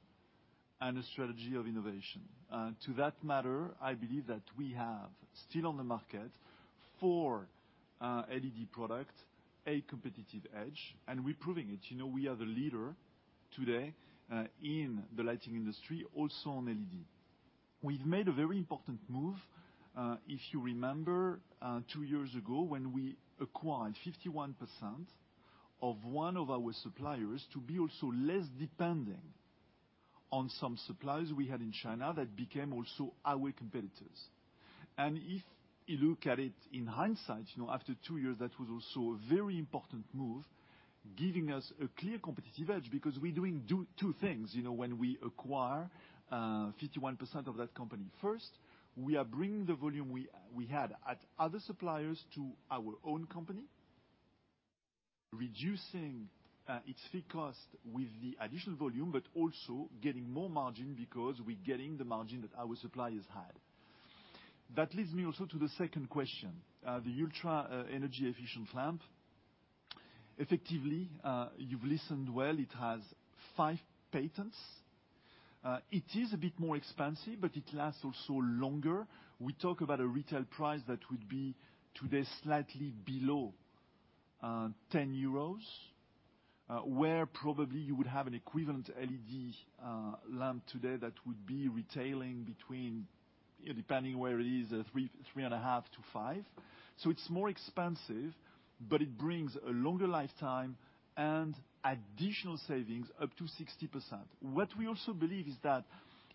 and a strategy of innovation. To that matter, I believe that we have still on the market for LED product a competitive edge, and we're proving it. You know, we are the leader today in the lighting industry, also on LED. We've made a very important move, if you remember, two years ago, when we acquired 51% of one of our suppliers to be also less depending on some suppliers we had in China that became also our competitors. If you look at it in hindsight, you know, after two years, that was also a very important move, giving us a clear competitive edge because we're doing two things, you know, when we acquire 51% of that company. First, we are bringing the volume we had at other suppliers to our own company, reducing its unit cost with the additional volume, but also getting more margin because we're getting the margin that our suppliers had. That leads me also to the second question, the ultra energy efficient lamp. Effectively, you've listened well, it has 5 patents. It is a bit more expensive, but it lasts also longer. We talk about a retail price that would be today slightly below 10 euros, where probably you would have an equivalent LED lamp today that would be retailing between, depending where it is, 3.5-5. It's more expensive, but it brings a longer lifetime and additional savings up to 60%. What we also believe is that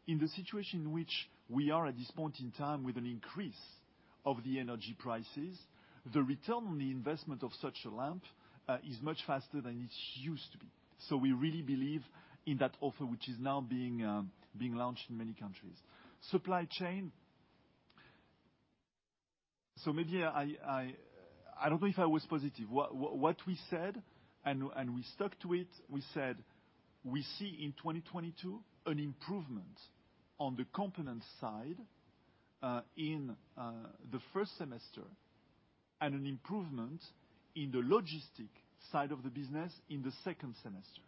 in the situation in which we are at this point in time with an increase of the energy prices, the return on the investment of such a lamp is much faster than it used to be. We really believe in that offer, which is now being launched in many countries. Supply chain. Maybe I don't know if I was positive. We said, and we stuck to it, we said, we see in 2022 an improvement on the component side, in the first semester and an improvement in the logistic side of the business in the second semester.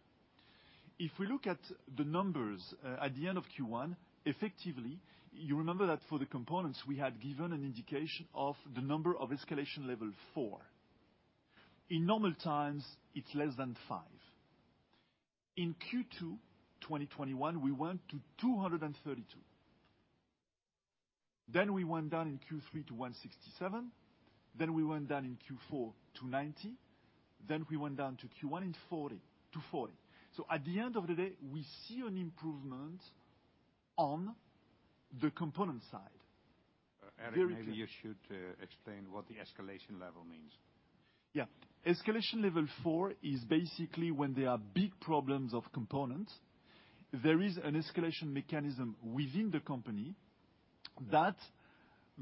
If we look at the numbers, at the end of Q1, effectively, you remember that for the components, we had given an indication of the number of escalation level four. In normal times, it's less than five. In Q2 2021, we went to 232. Then we went down in Q3 to 167, then we went down in Q4 to 90, then we went down to Q1 to 40. At the end of the day, we see an improvement on the component side. Very clear. Eric, maybe you should explain what the escalation level means. Yeah. Escalation level four is basically when there are big problems of components. There is an escalation mechanism within the company that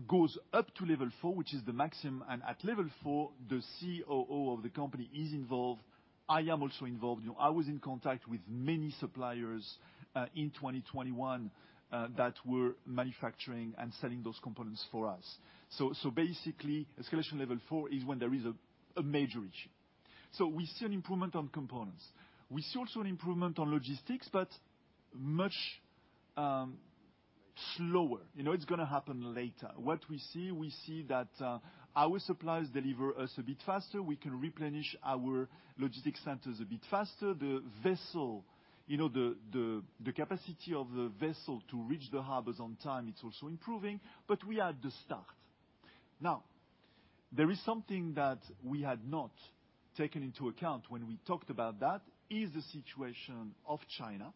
goes up to level four, which is the maximum. At level four, the COO of the company is involved. I am also involved. You know, I was in contact with many suppliers in 2021 that were manufacturing and selling those components for us. Basically, escalation level four is when there is a major issue. We see an improvement on components. We see also an improvement on logistics, but much slower. You know, it's gonna happen later. What we see, we see that our suppliers deliver us a bit faster. We can replenish our logistic centers a bit faster. The vessel, you know, the capacity of the vessel to reach the harbors on time, it's also improving, but we are at the start. Now, there is something that we had not taken into account when we talked about that is the situation of China,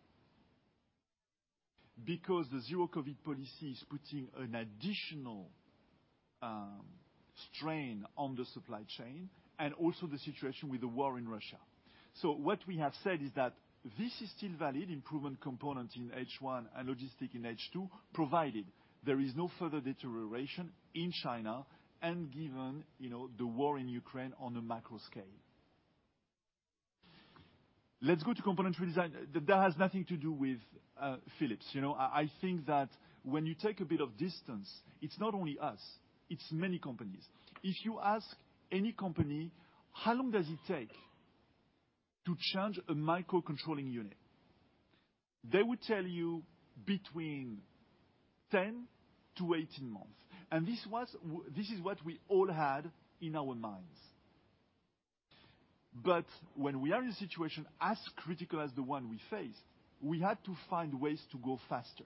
because the zero-COVID policy is putting an additional strain on the supply chain and also the situation with the war in Russia. What we have said is that this is still valid, improvement component in H1 and logistic in H2, provided there is no further deterioration in China and given, you know, the war in Ukraine on a macro scale. Let's go to component redesign. That has nothing to do with Philips. You know, I think that when you take a bit of distance, it's not only us, it's many companies. If you ask any company, how long does it take to change a microcontroller unit? They would tell you between 10 to 18 months. This is what we all had in our minds. When we are in a situation as critical as the one we faced, we had to find ways to go faster.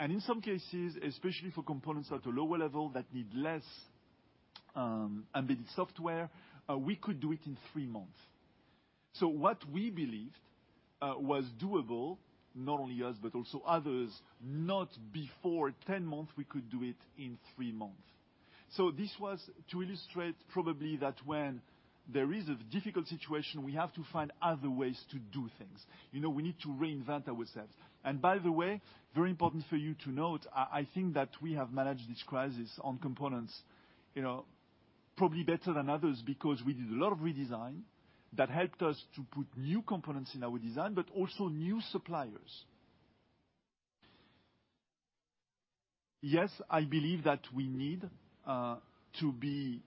In some cases, especially for components at a lower level that need less embedded software, we could do it in three months. What we believed was doable, not only us, but also others, not before 10 months, we could do it in three months. This was to illustrate probably that when there is a difficult situation, we have to find other ways to do things. You know, we need to reinvent ourselves. By the way, very important for you to note, I think that we have managed this crisis on components, you know, probably better than others because we did a lot of redesign that helped us to put new components in our design, but also new suppliers. Yes, I believe that we need to be,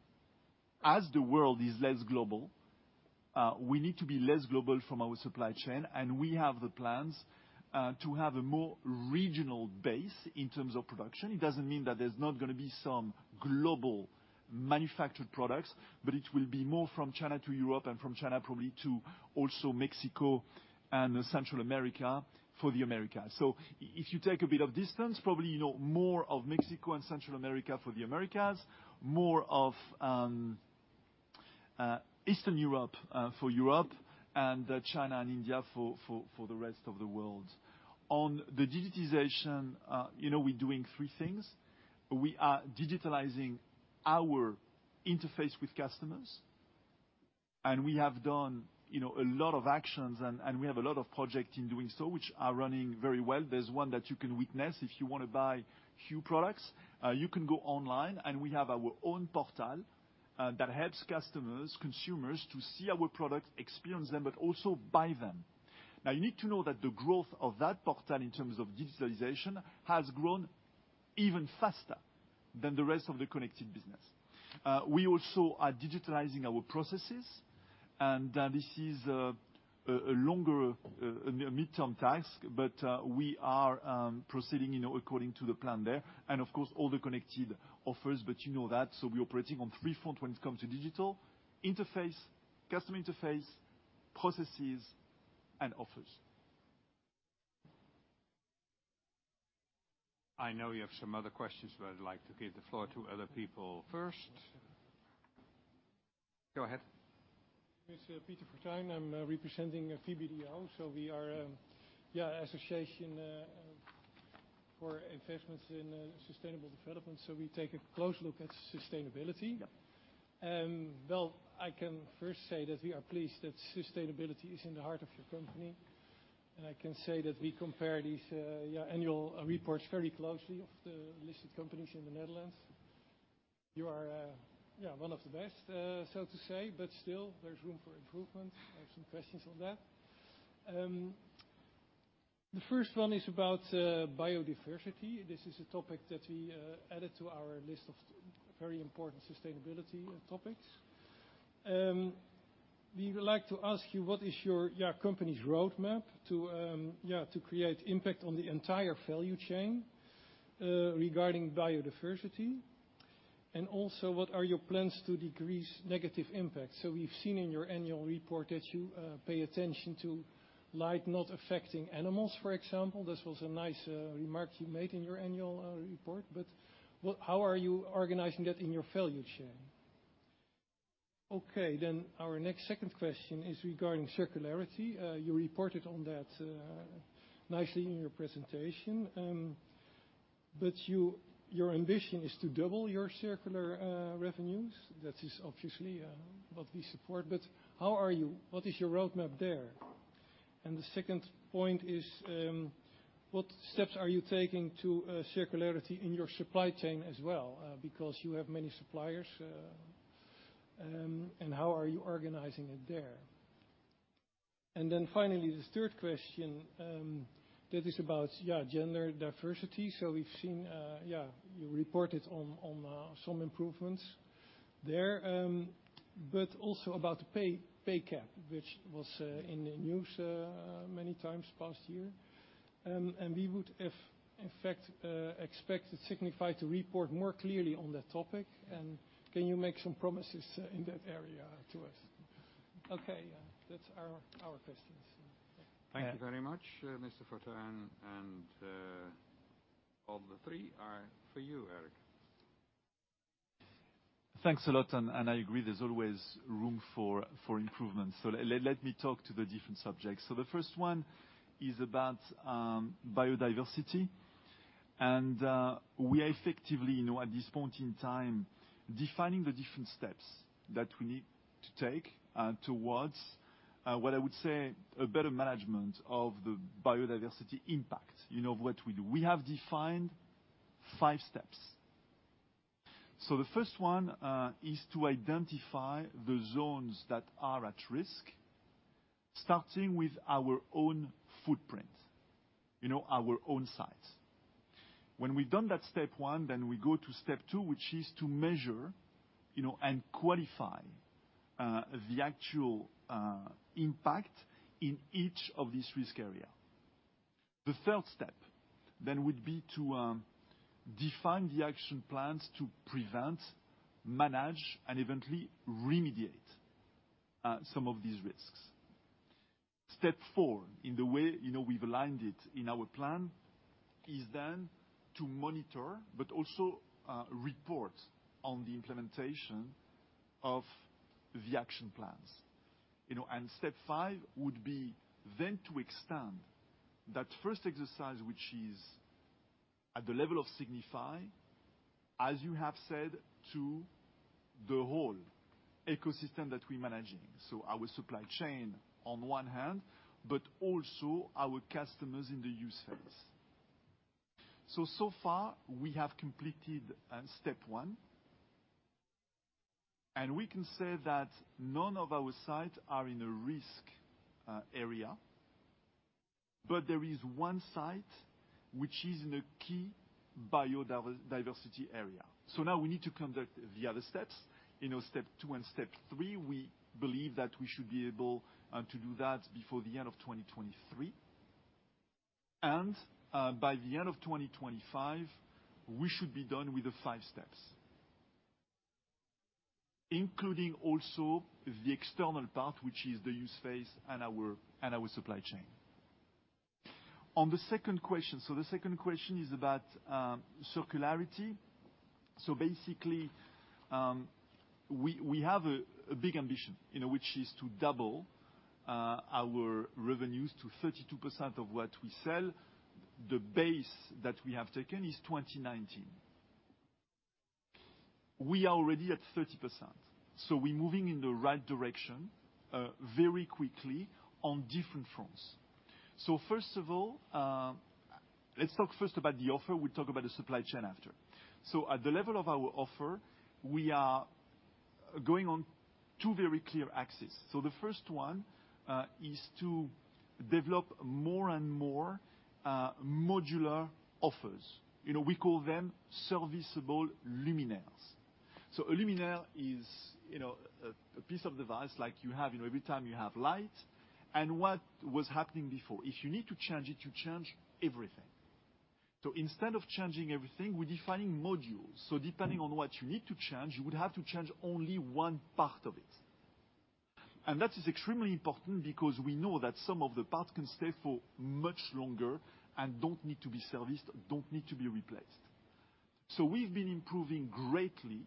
as the world is less global, we need to be less global from our supply chain, and we have the plans to have a more regional base in terms of production. It doesn't mean that there's not gonna be some global manufactured products, but it will be more from China to Europe and from China probably to also Mexico and Central America for the Americas. If you take a bit of distance, probably you know more of Mexico and Central America for the Americas, more of Eastern Europe for Europe and China and India for the rest of the world. On the digitization, you know, we're doing three things. We are digitalizing our interface with customers, and we have done, you know, a lot of actions and we have a lot of projects in doing so, which are running very well. There's one that you can witness. If you wanna buy Hue products, you can go online, and we have our own portal that helps customers, consumers to see our products, experience them, but also buy them. Now you need to know that the growth of that portal in terms of digitalization has grown even faster than the rest of the connected business. We also are digitalizing our processes, and this is a longer midterm task, but we are proceeding, you know, according to the plan there. Of course, all the connected offers, but you know that. We're operating on three front when it comes to digital, interface, customer interface, processes, and offers. I know you have some other questions, but I'd like to give the floor to other people first. Go ahead. It's Peter Fortuin. I'm representing VBDO. We are association for investments in sustainable development, we take a close look at sustainability. Yeah. Well, I can first say that we are pleased that sustainability is in the heart of your company. I can say that we compare these annual reports very closely of the listed companies in the Netherlands. You are one of the best, so to say, but still there's room for improvement. I have some questions on that. The first one is about biodiversity. This is a topic that we added to our list of very important sustainability topics. We would like to ask you, what is your company's roadmap to create impact on the entire value chain regarding biodiversity? And also, what are your plans to decrease negative impact? We've seen in your annual report that you pay attention to light not affecting animals, for example. This was a nice remark you made in your annual report, but how are you organizing that in your value chain? Okay, our second question is regarding circularity. You reported on that nicely in your presentation. But your ambition is to double your circular revenues. That is obviously what we support, but what is your roadmap there? The second point is, what steps are you taking to circularity in your supply chain as well? Because you have many suppliers, and how are you organizing it there? Then finally, this third question that is about gender diversity. We've seen you reported on some improvements there, but also about pay gap, which was in the news many times last year. we would, if in fact, expect Signify to report more clearly on that topic, and can you make some promises in that area to us? Okay. That's our questions. Thank you very much, Mr. Fortuin, and all the three are for you, Eric. Thanks a lot, I agree there's always room for improvement. Let me talk to the different subjects. The first one is about biodiversity and we are effectively, you know, at this point in time, defining the different steps that we need to take towards what I would say, a better management of the biodiversity impact, you know, of what we do. We have defined five steps. The first one is to identify the zones that are at risk, starting with our own footprint, you know, our own sites. When we've done that step one, we go to step two, which is to measure, you know, and qualify the actual impact in each of these risk area. The third step then would be to define the action plans to prevent, manage, and eventually remediate some of these risks. Step four, in the way we've aligned it in our plan, is then to monitor, but also report on the implementation of the action plans. You know, step five would be then to extend that first exercise, which is at the level of Signify, as you have said, to the whole ecosystem that we're managing. Our supply chain on one hand, but also our customers in the use phase. So far we have completed step one, and we can say that none of our sites are in a risk area, but there is one site which is in a key biodiversity area. Now we need to conduct the other steps. You know, step two and step three, we believe that we should be able to do that before the end of 2023. By the end of 2025, we should be done with the five steps, including also the external part, which is the use phase and our supply chain. On the second question. The second question is about circularity. Basically, we have a big ambition, you know, which is to double our revenues to 32% of what we sell. The base that we have taken is 2019. We are already at 30%, so we're moving in the right direction very quickly on different fronts. First of all, let's talk first about the offer. We'll talk about the supply chain after. At the level of our offer, we are going on two very clear axes. The first one is to develop more and more modular offers. You know, we call them serviceable luminaires. A luminaire is, you know, a piece of device like you have, you know, every time you have light. And what was happening before, if you need to change it, you change everything. Instead of changing everything, we're defining modules. Depending on what you need to change, you would have to change only one part of it. And that is extremely important because we know that some of the parts can stay for much longer and don't need to be serviced, don't need to be replaced. We've been improving greatly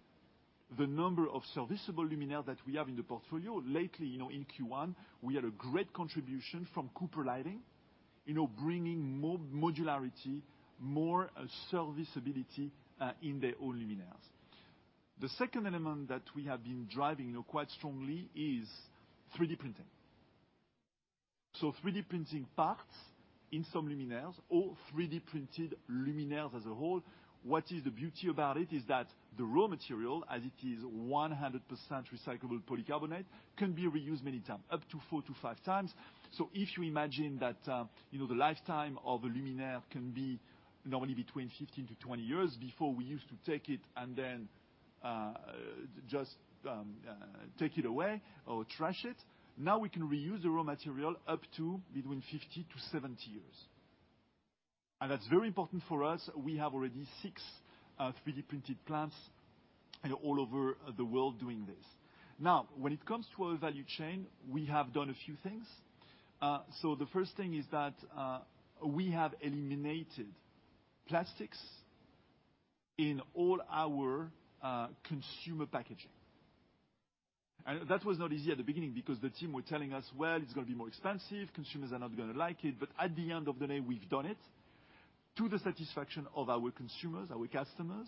the number of serviceable luminaire that we have in the portfolio. Lately, you know, in Q1, we had a great contribution from Cooper Lighting, you know, bringing more modularity, more serviceability in their own luminaires. The second element that we have been driving quite strongly is 3D printing. So 3D printing parts in some luminaires or 3D printed luminaires as a whole. What is the beauty about it is that the raw material, as it is 100% recyclable polycarbonate, can be reused many times, up to 4x-5x. So if you imagine that, you know, the lifetime of a luminaire can be normally between 15-20 years. Before we used to take it and then just take it away or trash it. Now we can reuse the raw material up to between 50-70 years, and that's very important for us. We have already six 3D printed plants all over the world doing this. Now, when it comes to our value chain, we have done a few things. The first thing is that we have eliminated plastics in all our consumer packaging. That was not easy at the beginning because the team were telling us, "Well, it's gonna be more expensive, consumers are not gonna like it." At the end of the day, we've done it to the satisfaction of our consumers, our customers,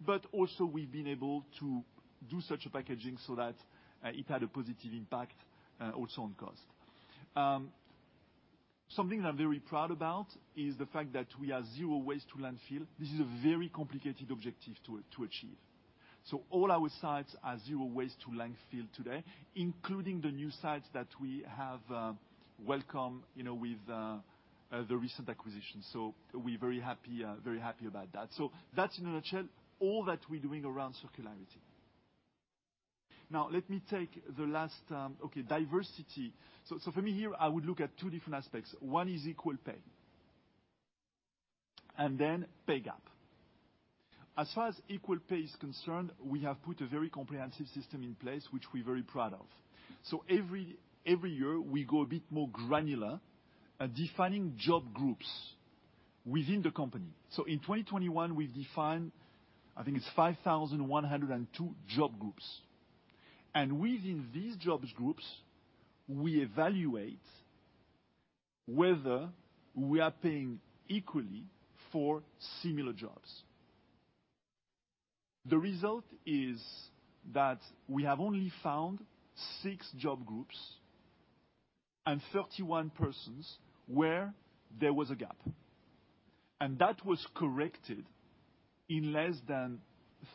but also we've been able to do such a packaging so that it had a positive impact also on cost. Something that I'm very proud about is the fact that we are zero waste to landfill. This is a very complicated objective to achieve. All our sites are zero waste to landfill today, including the new sites that we have welcomed, you know, with the recent acquisitions. We're very happy about that. That's in a nutshell all that we're doing around circularity. Now let me take the last. Okay, diversity. For me here, I would look at two different aspects. One is equal pay and then pay gap. As far as equal pay is concerned, we have put a very comprehensive system in place, which we're very proud of. Every year we go a bit more granular at defining job groups within the company. In 2021 we've defined, I think it's 5,102 job groups. And within these job groups, we evaluate whether we are paying equally for similar jobs. The result is that we have only found six job groups and 31 persons where there was a gap, and that was corrected in less than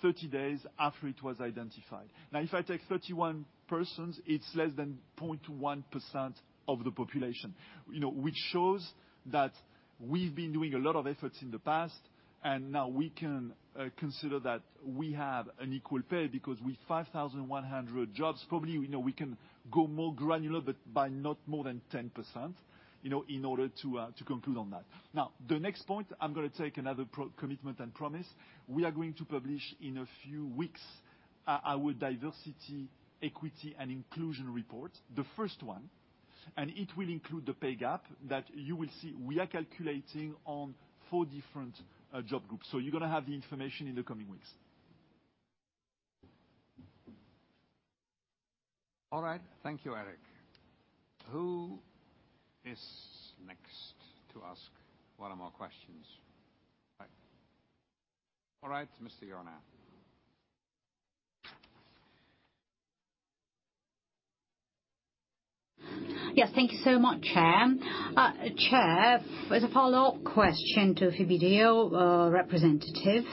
30 days after it was identified. Now, if I take 31 persons, it's less than 0.1% of the population, you know, which shows that we've been doing a lot of efforts in the past. Now we can consider that we have an equal pay because with 5,100 jobs, probably, you know, we can go more granular, but by not more than 10%, you know, in order to to conclude on that. Now, the next point, I'm gonna take another commitment and promise. We are going to publish in a few weeks our diversity, equity and inclusion report, the first one. It will include the pay gap that you will see. We are calculating on four different job groups. You're gonna have the information in the coming weeks. All right. Thank you, Eric. Who is next to ask one or more questions? All right, Mr. Jorna. Yes, thank you so much, Chair. Chair, as a follow-up question to VBDO representative.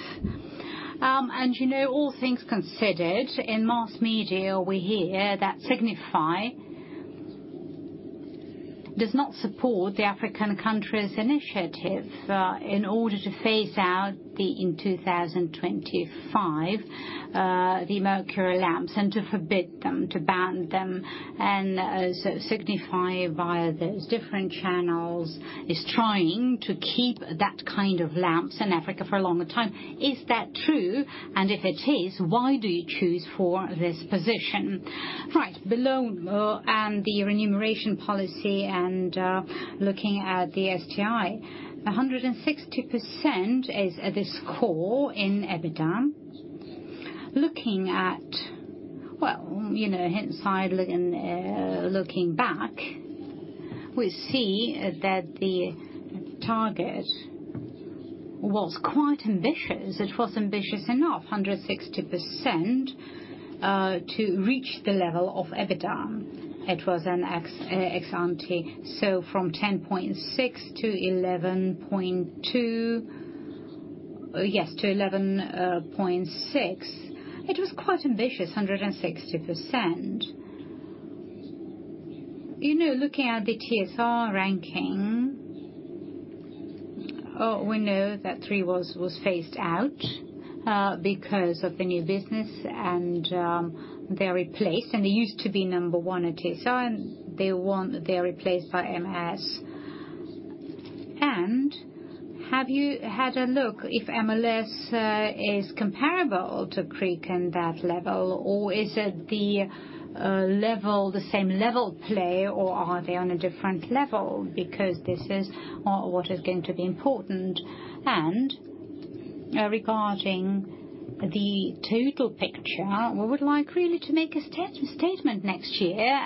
You know, all things considered, in mass media, we hear that Signify does not support the African countries initiative in order to phase out the in 2025 the mercury lamps and to forbid them, to ban them. Signify, via those different channels, is trying to keep that kind of lamps in Africa for a longer time. Is that true? And if it is, why do you choose for this position? Right. Below the remuneration policy and looking at the STI, 160% is the score in EBITDA. Looking at, well, you know, looking back, we see that the target was quite ambitious. It was ambitious enough, 160% to reach the level of EBITDA. It was an ex-ante, so from 10.6% to 11.2%. Yes, to 11.6%. It was quite ambitious, 160%. You know, looking at the TSR ranking, we know that Cree was phased out because of the new business and they replaced. They used to be number one at TSR and they replaced by MLS. Have you had a look if MLS is comparable to Cree in that level, or is it the level, the same level play, or are they on a different level? Because this is what is going to be important. Regarding the total picture, we would like really to make a statement next year.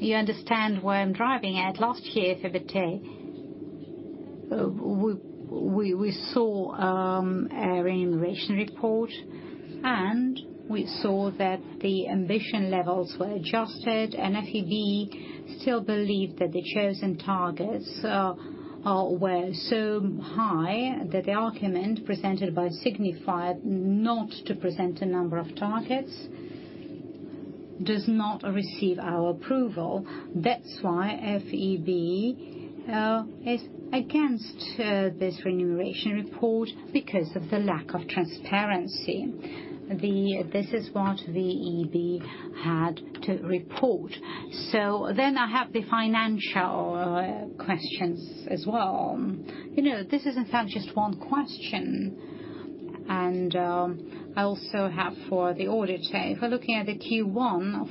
You understand where I'm driving at. Last year, VEB, we saw a remuneration report, and we saw that the ambition levels were adjusted, and VEB still believed that the chosen targets were so high that the argument presented by Signify not to present a number of targets does not receive our approval. That's why VEB is against this remuneration report because of the lack of transparency. This is what the VEB had to report. I have the financial questions as well. You know, this is in fact just one question. I also have for the auditor. If we're looking at the Q1 of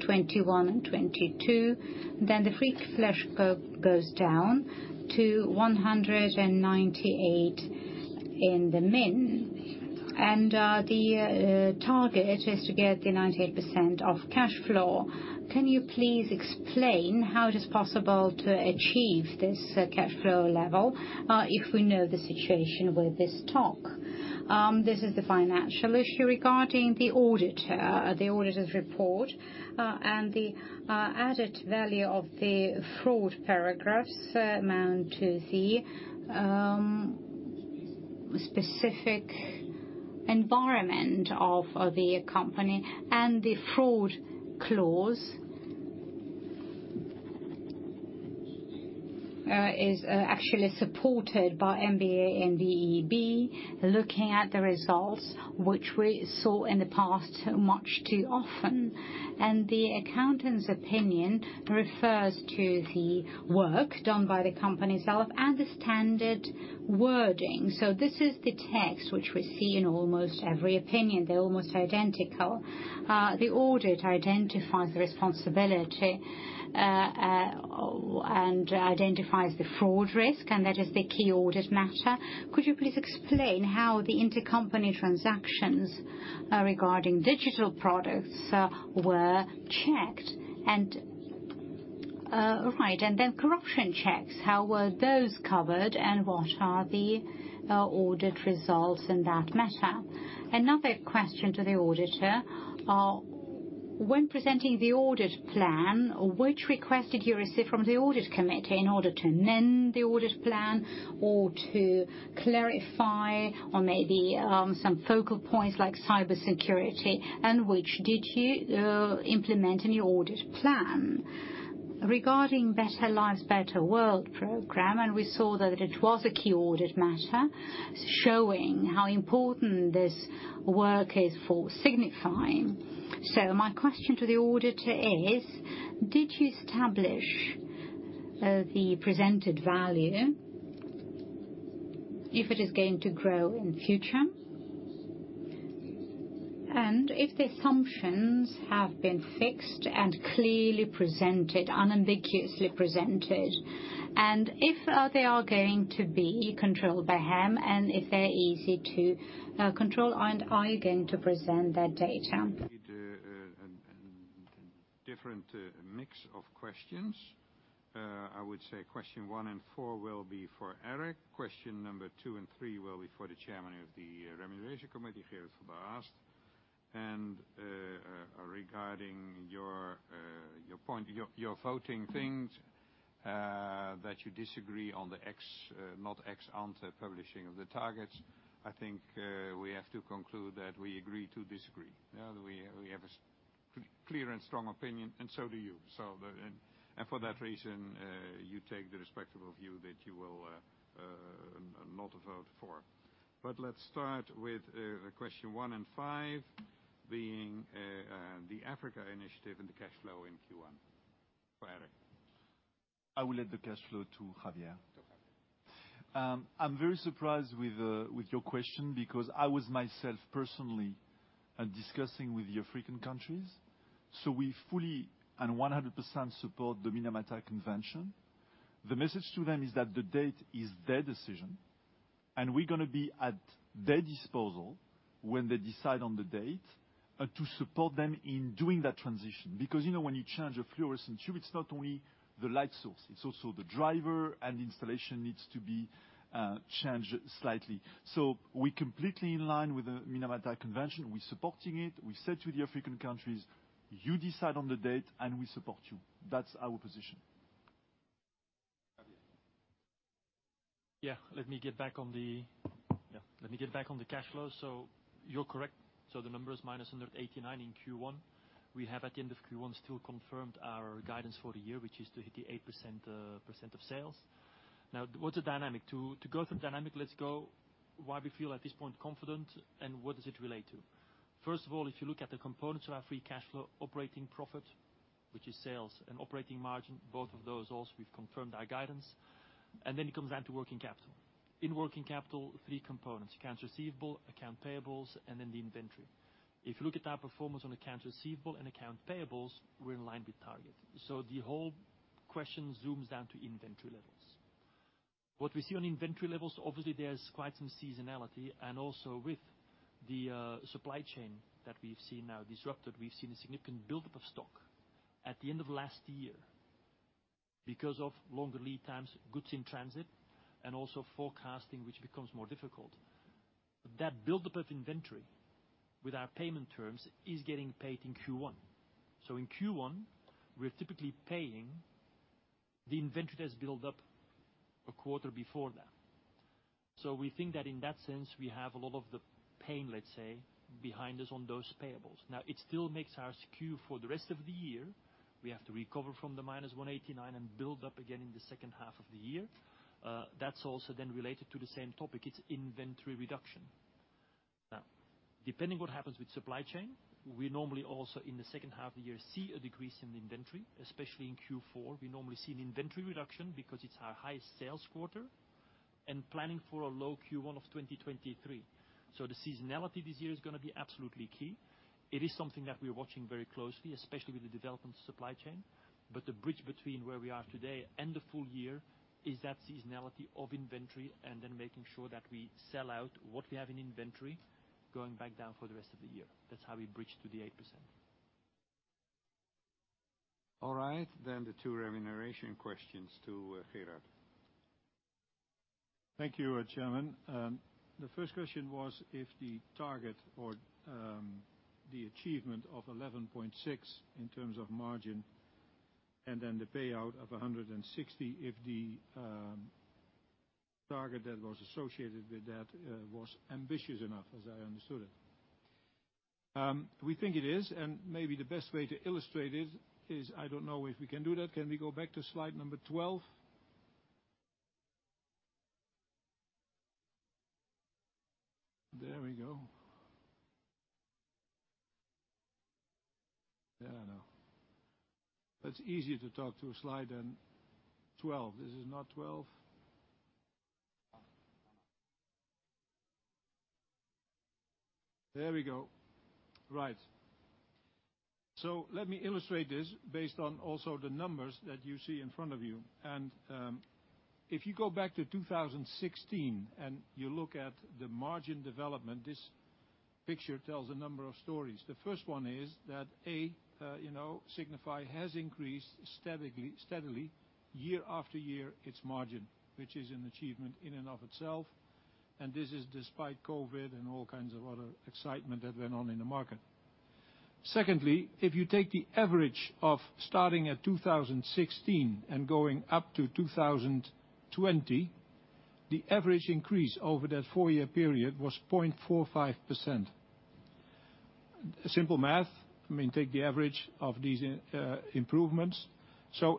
2021 and 2022, then the free cash flow goes down to 198 million. The target is to get the 98% of cash flow. Can you please explain how it is possible to achieve this cash flow level, if we know the situation with this stock? This is the financial issue regarding the auditor, the auditor's report, and the added value of the fraud paragraphs amount to the specific environment of the company. The fraud clause is actually supported by M&A and debt looking at the results, which we saw in the past much too often. The accountant's opinion refers to the work done by the company itself and the standard wording. This is the text which we see in almost every opinion. They're almost identical. The audit identifies the responsibility and identifies the fraud risk, and that is the key audit matter. Could you please explain how the intercompany transactions regarding digital products were checked? Right, and then corruption checks, how were those covered, and what are the audit results in that matter? Another question to the auditor. When presenting the Audit Plan, which request did you receive from the Audit Committee in order to amend the Audit Plan or to clarify or maybe some focal points like cybersecurity, and which did you implement in your Audit Plan? Regarding Brighter Lives, Better World program, we saw that it was a key audit matter, showing how important this work is for Signify. My question to the auditor is, did you establish the presented value, if it is going to grow in future? If the assumptions have been fixed and clearly presented, unambiguously presented, and if they are going to be controlled by them and if they're easy to control, and are you going to present that data? A different mix of questions. I would say question one and four will be for Eric. Question number two and three will be for the Chairman of the Remuneration Committee, Gerard van de Aast. Regarding your point, your voting things that you disagree on the not ex-ante publishing of the targets, I think we have to conclude that we agree to disagree. We have a clear and strong opinion, and so do you. For that reason, you take the respectable view that you will not vote for. Let's start with question one and five being the Africa initiative and the cash flow in Q1. For Eric. I will leave the cash flow to Javier. To Javier. I'm very surprised with your question because I was myself personally discussing with the African countries, so we fully and 100% support the Minamata Convention. The message to them is that the date is their decision, and we're gonna be at their disposal when they decide on the date to support them in doing that transition. Because, you know, when you change a fluorescent tube, it's not only the light source, it's also the driver and installation needs to be changed slightly. So we're completely in line with the Minamata Convention. We're supporting it. We said to the African countries, "You decide on the date, and we support you." That's our position. Javier. Let me get back on the cash flow. You're correct. The number is -189 in Q1. We have at the end of Q1 still confirmed our guidance for the year, which is to hit the 8% of sales. Now, what's the dynamic? To go through the dynamic, let's go through why we feel at this point confident and what does it relate to. First of all, if you look at the components of our free cash flow, operating profit, which is sales and operating margin, both of those also we've confirmed our guidance, and then it comes down to working capital. In working capital, three components, accounts receivable, accounts payable, and then the inventory. If you look at our performance on accounts receivable and accounts payable, we're in line with target. The whole question zooms down to inventory levels. What we see on inventory levels, obviously, there's quite some seasonality. Also with the supply chain that we've seen now disrupted, we've seen a significant buildup of stock. At the end of last year, because of longer lead times, goods in transit, and also forecasting, which becomes more difficult, that buildup of inventory with our payment terms is getting paid in Q1. In Q1, we're typically paying the inventory that's built up a quarter before that. We think that in that sense, we have a lot of the pain, let's say, behind us on those payables. Now, it still makes us skew for the rest of the year. We have to recover from -189 and build up again in the second half of the year. That's also then related to the same topic. It's inventory reduction. Now, depending what happens with supply chain, we normally also, in the second half of the year, see a decrease in inventory, especially in Q4. We normally see an inventory reduction because it's our highest sales quarter and planning for a low Q1 of 2023. The seasonality this year is gonna be absolutely key. It is something that we're watching very closely, especially with the developing supply chain. The bridge between where we are today and the full year is that seasonality of inventory and then making sure that we sell out what we have in inventory going back down for the rest of the year. That's how we bridge to the 8%. All right. The two remuneration questions to Gerard. Thank you, Chairman. The first question was if the target or the achievement of 11.6% in terms of margin and then the payout of 160%, if the target that was associated with that was ambitious enough, as I understood it. We think it is, and maybe the best way to illustrate it is, I don't know if we can do that. Can we go back to slide number 12? There we go. Yeah, I know. It's easier to talk to a slide than twelve. This is not twelve. There we go. Right. So let me illustrate this based on also the numbers that you see in front of you. If you go back to 2016, and you look at the margin development, this picture tells a number of stories. The first one is that, A, you know, Signify has increased steadily year after year its margin, which is an achievement in and of itself, and this is despite COVID and all kinds of other excitement that went on in the market. Secondly, if you take the average of starting at 2016 and going up to 2020, the average increase over that four-year period was 0.45%. Simple math, I mean, take the average of these improvements.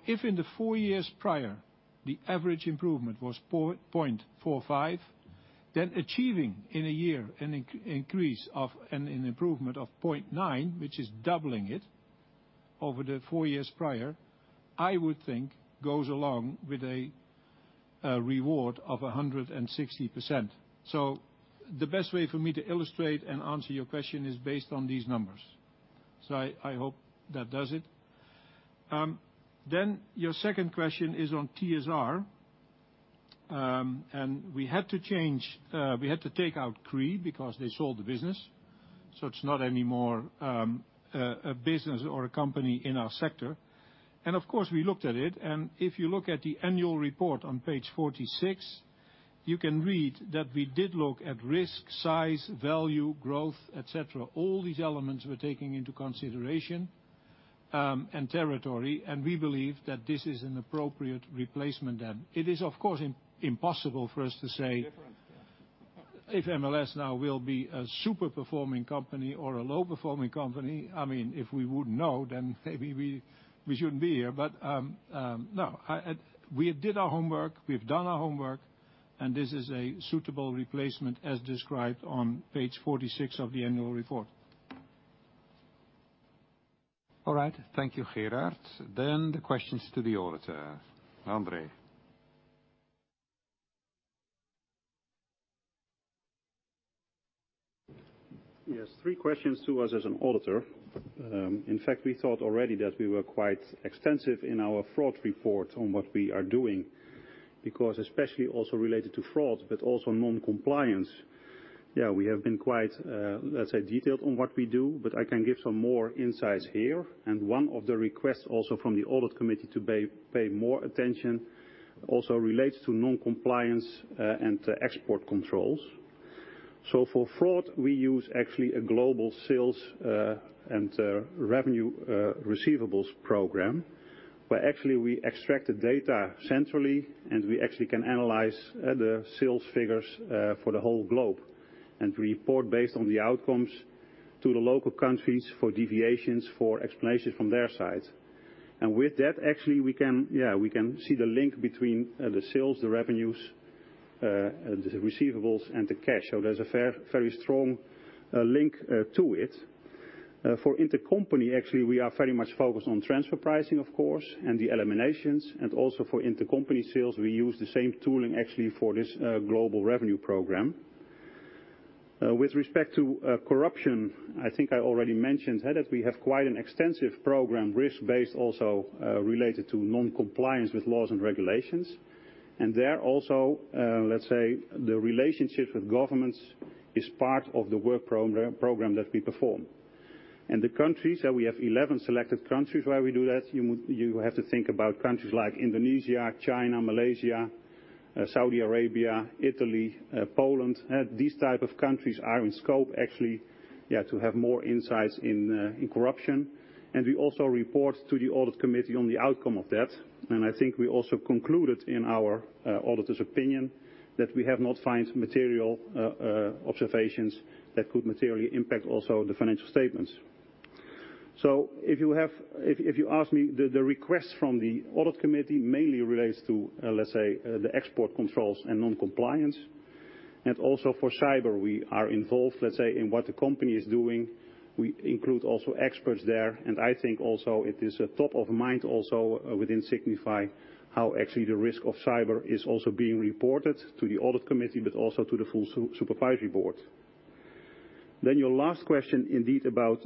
If in the four years prior, the average improvement was 0.45%, then achieving in a year an improvement of 0.9%, which is doubling it over the four years prior, I would think goes along with a reward of 160%. The best way for me to illustrate and answer your question is based on these numbers. I hope that does it. Then your second question is on TSR. We had to take out Cree because they sold the business, so it's not anymore a business or a company in our sector. Of course, we looked at it, and if you look at the annual report on page 46, you can read that we did look at risk, size, value, growth, et cetera. All these elements were taken into consideration, and territory, and we believe that this is an appropriate replacement then. It is, of course, impossible for us to say if MLS now will be a super-performing company or a low-performing company. I mean, if we would know, then maybe we shouldn't be here. We've done our homework, and this is a suitable replacement as described on page 46 of the annual report. All right. Thank you, Gerard. The questions to the auditor, André. Yes, three questions to us as an auditor. In fact, we thought already that we were quite extensive in our fraud report on what we are doing because especially also related to fraud but also non-compliance. We have been quite, let's say, detailed on what we do, but I can give some more insights here. One of the requests also from the Audit Committee to pay more attention also relates to non-compliance, and export controls. For fraud, we use actually a global sales and revenue receivables program, where actually we extract the data centrally, and we actually can analyze the sales figures for the whole globe and report based on the outcomes to the local countries for deviations, for explanations from their side. With that, actually, we can see the link between the sales, the revenues, the receivables, and the cash. There's a fairly strong link to it. For intercompany, actually, we are very much focused on transfer pricing, of course, and the eliminations. Also for intercompany sales, we use the same tooling actually for this global revenue program. With respect to corruption, I think I already mentioned that we have quite an extensive program, risk-based also, related to non-compliance with laws and regulations. There also, let's say the relationship with governments is part of the work program that we perform. The countries that we have 11 selected countries where we do that, you have to think about countries like Indonesia, China, Malaysia, Saudi Arabia, Italy, Poland. These type of countries are in scope actually to have more insights in corruption. We also report to the Audit Committee on the outcome of that. I think we also concluded in our Auditor's Opinion that we have not find material observations that could materially impact also the financial statements. If you ask me the request from the Audit Committee mainly relates to, let's say, the export controls and non-compliance. Also for cyber, we are involved, let's say, in what the company is doing. We include also experts there. I think also it is a top of mind also within Signify how actually the risk of cyber is also being reported to the Audit Committee, but also to the full Supervisory Board. Your last question indeed about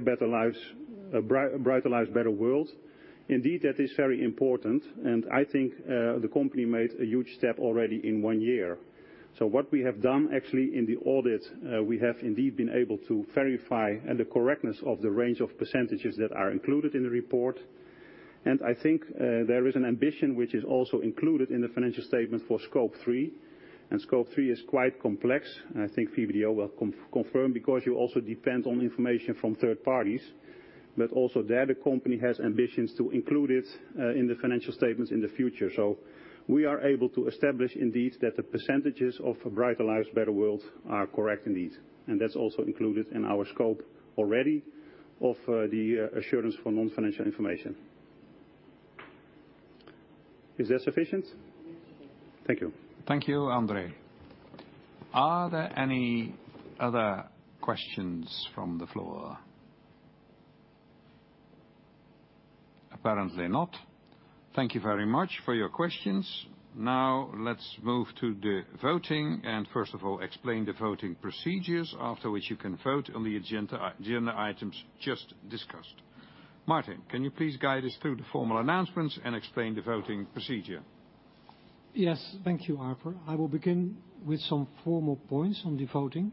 Brighter Lives, Better World. Indeed, that is very important, and I think the company made a huge step already in one year. What we have done actually in the audit, we have indeed been able to verify the correctness of the range of percentages that are included in the report. I think there is an ambition which is also included in the financial statement for Scope 3, and Scope 3 is quite complex, and I think VBDO will confirm because you also depend on information from third parties. Also there, the company has ambitions to include it in the financial statements in the future. We are able to establish indeed that the percentages of Brighter Lives, Better World are correct indeed, and that's also included in our scope already of the assurance for non-financial information. Is that sufficient? Thank you. Thank you, André. Are there any other questions from the floor? Apparently not. Thank you very much for your questions. Now let's move to the voting and, first of all, explain the voting procedures, after which you can vote on the agenda items just discussed. Maarten, can you please guide us through the formal announcements and explain the voting procedure? Yes, thank you, Arthur. I will begin with some formal points on the voting.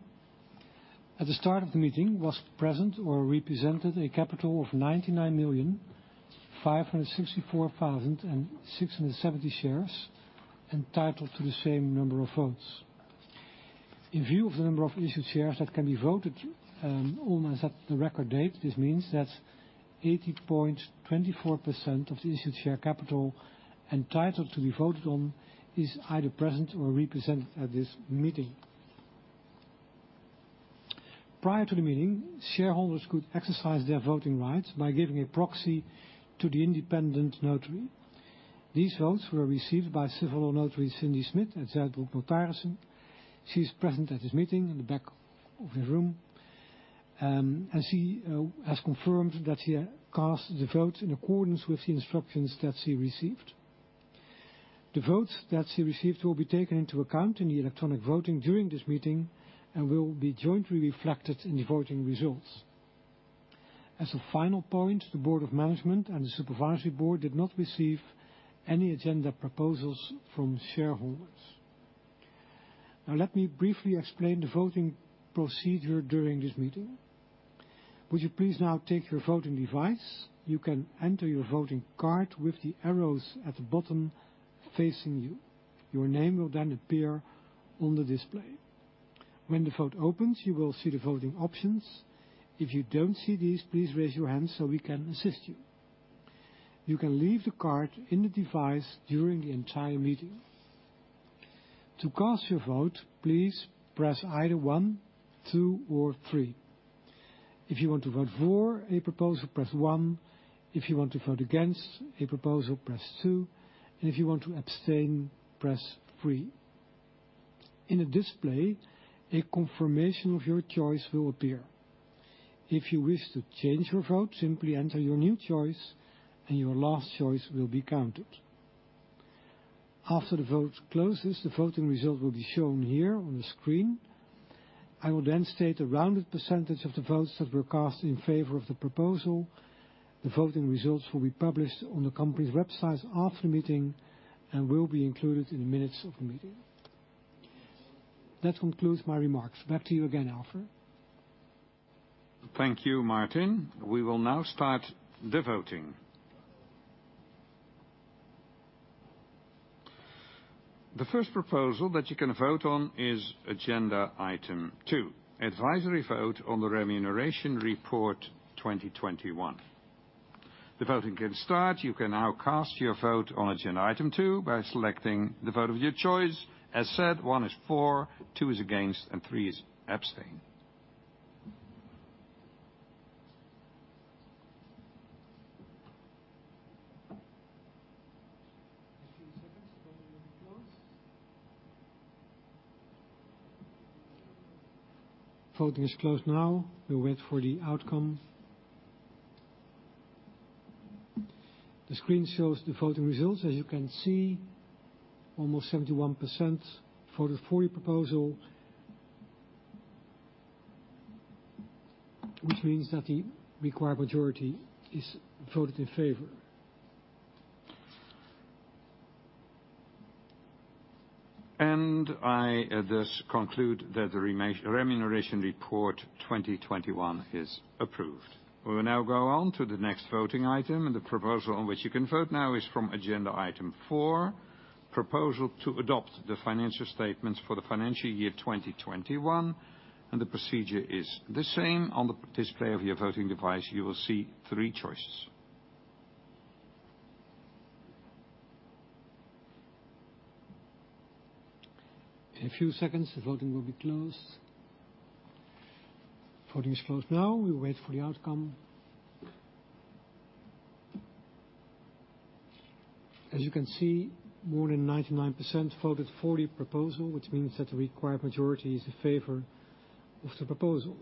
At the start of the meeting was present or represented a capital of 99,564,670 shares, entitled to the same number of votes. In view of the number of issued shares that can be voted on as at the record date, this means that 80.24% of the issued share capital entitled to be voted on is either present or represented at this meeting. Prior to the meeting, shareholders could exercise their voting rights by giving a proxy to the independent notary. These votes were received by civil law notary Cindy Smid at Zuidbroek Notarissen. She's present at this meeting in the back of the room, and she has confirmed that she cast the vote in accordance with the instructions that she received. The votes that she received will be taken into account in the electronic voting during this meeting and will be jointly reflected in the voting results. As a final point, the Board of Management and the Supervisory Board did not receive any agenda proposals from shareholders. Now, let me briefly explain the voting procedure during this meeting. Would you please now take your voting device? You can enter your voting card with the arrows at the bottom facing you. Your name will then appear on the display. When the vote opens, you will see the voting options. If you don't see these, please raise your hand so we can assist you. You can leave the card in the device during the entire meeting. To cast your vote, please press either one, two or three. If you want to vote for a proposal, press one. If you want to vote against a proposal, press two. If you want to abstain, press three. In the display, a confirmation of your choice will appear. If you wish to change your vote, simply enter your new choice and your last choice will be counted. After the vote closes, the voting result will be shown here on the screen. I will then state a rounded percentage of the votes that were cast in favor of the proposal. The voting results will be published on the company's website after the meeting and will be included in the minutes of the meeting. That concludes my remarks. Back to you again, Arthur. Thank you, Maarten. We will now start the voting. The first proposal that you can vote on is agenda item 2: advisory vote on the Remuneration Report 2021. The voting can start. You can now cast your vote on agenda item 2 by selecting the vote of your choice. As said, one is for, two is against, and three is abstain. Few seconds, the voting will be closed. Voting is closed now. We'll wait for the outcome. The screen shows the voting results. As you can see, almost 71% voted for the proposal. Which means that the required majority is voted in favor. I thus conclude that the remuneration report 2021 is approved. We will now go on to the next voting item, and the proposal on which you can vote now is from agenda item 4, proposal to adopt the financial statements for the financial year 2021, and the procedure is the same. On the display of your voting device, you will see 3 choices. In a few seconds, the voting will be closed. Voting is closed now. We wait for the outcome. As you can see, more than 99% voted for the proposal, which means that the required majority is in favor of the proposal.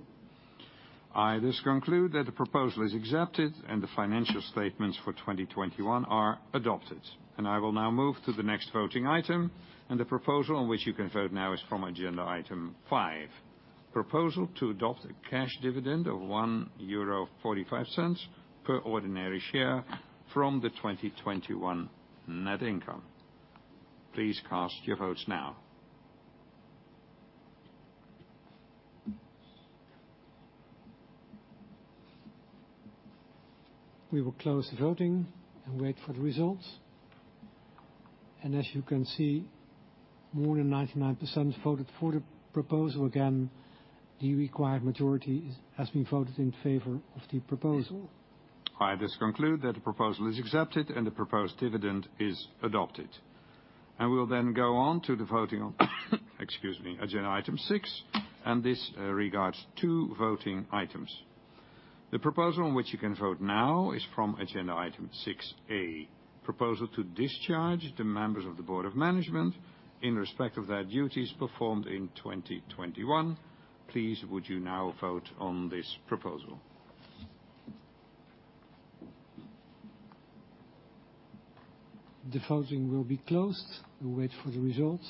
I thus conclude that the proposal is accepted, and the financial statements for 2021 are adopted. I will now move to the next voting item, and the proposal on which you can vote now is from agenda item 5, proposal to adopt a cash dividend of 1.45 euro per ordinary share from the 2021 net income. Please cast your votes now. We will close the voting and wait for the results. As you can see, more than 99% voted for the proposal again. The required majority has been voted in favor of the proposal. I thus conclude that the proposal is accepted, and the proposed dividend is adopted. I will go on to the voting on, excuse me, agenda item 6, and this regards two voting items. The proposal on which you can vote now is from agenda item 6a, proposal to discharge the Members of the Board of Management in respect of their duties performed in 2021. Please, would you now vote on this proposal? The voting will be closed. We'll wait for the results.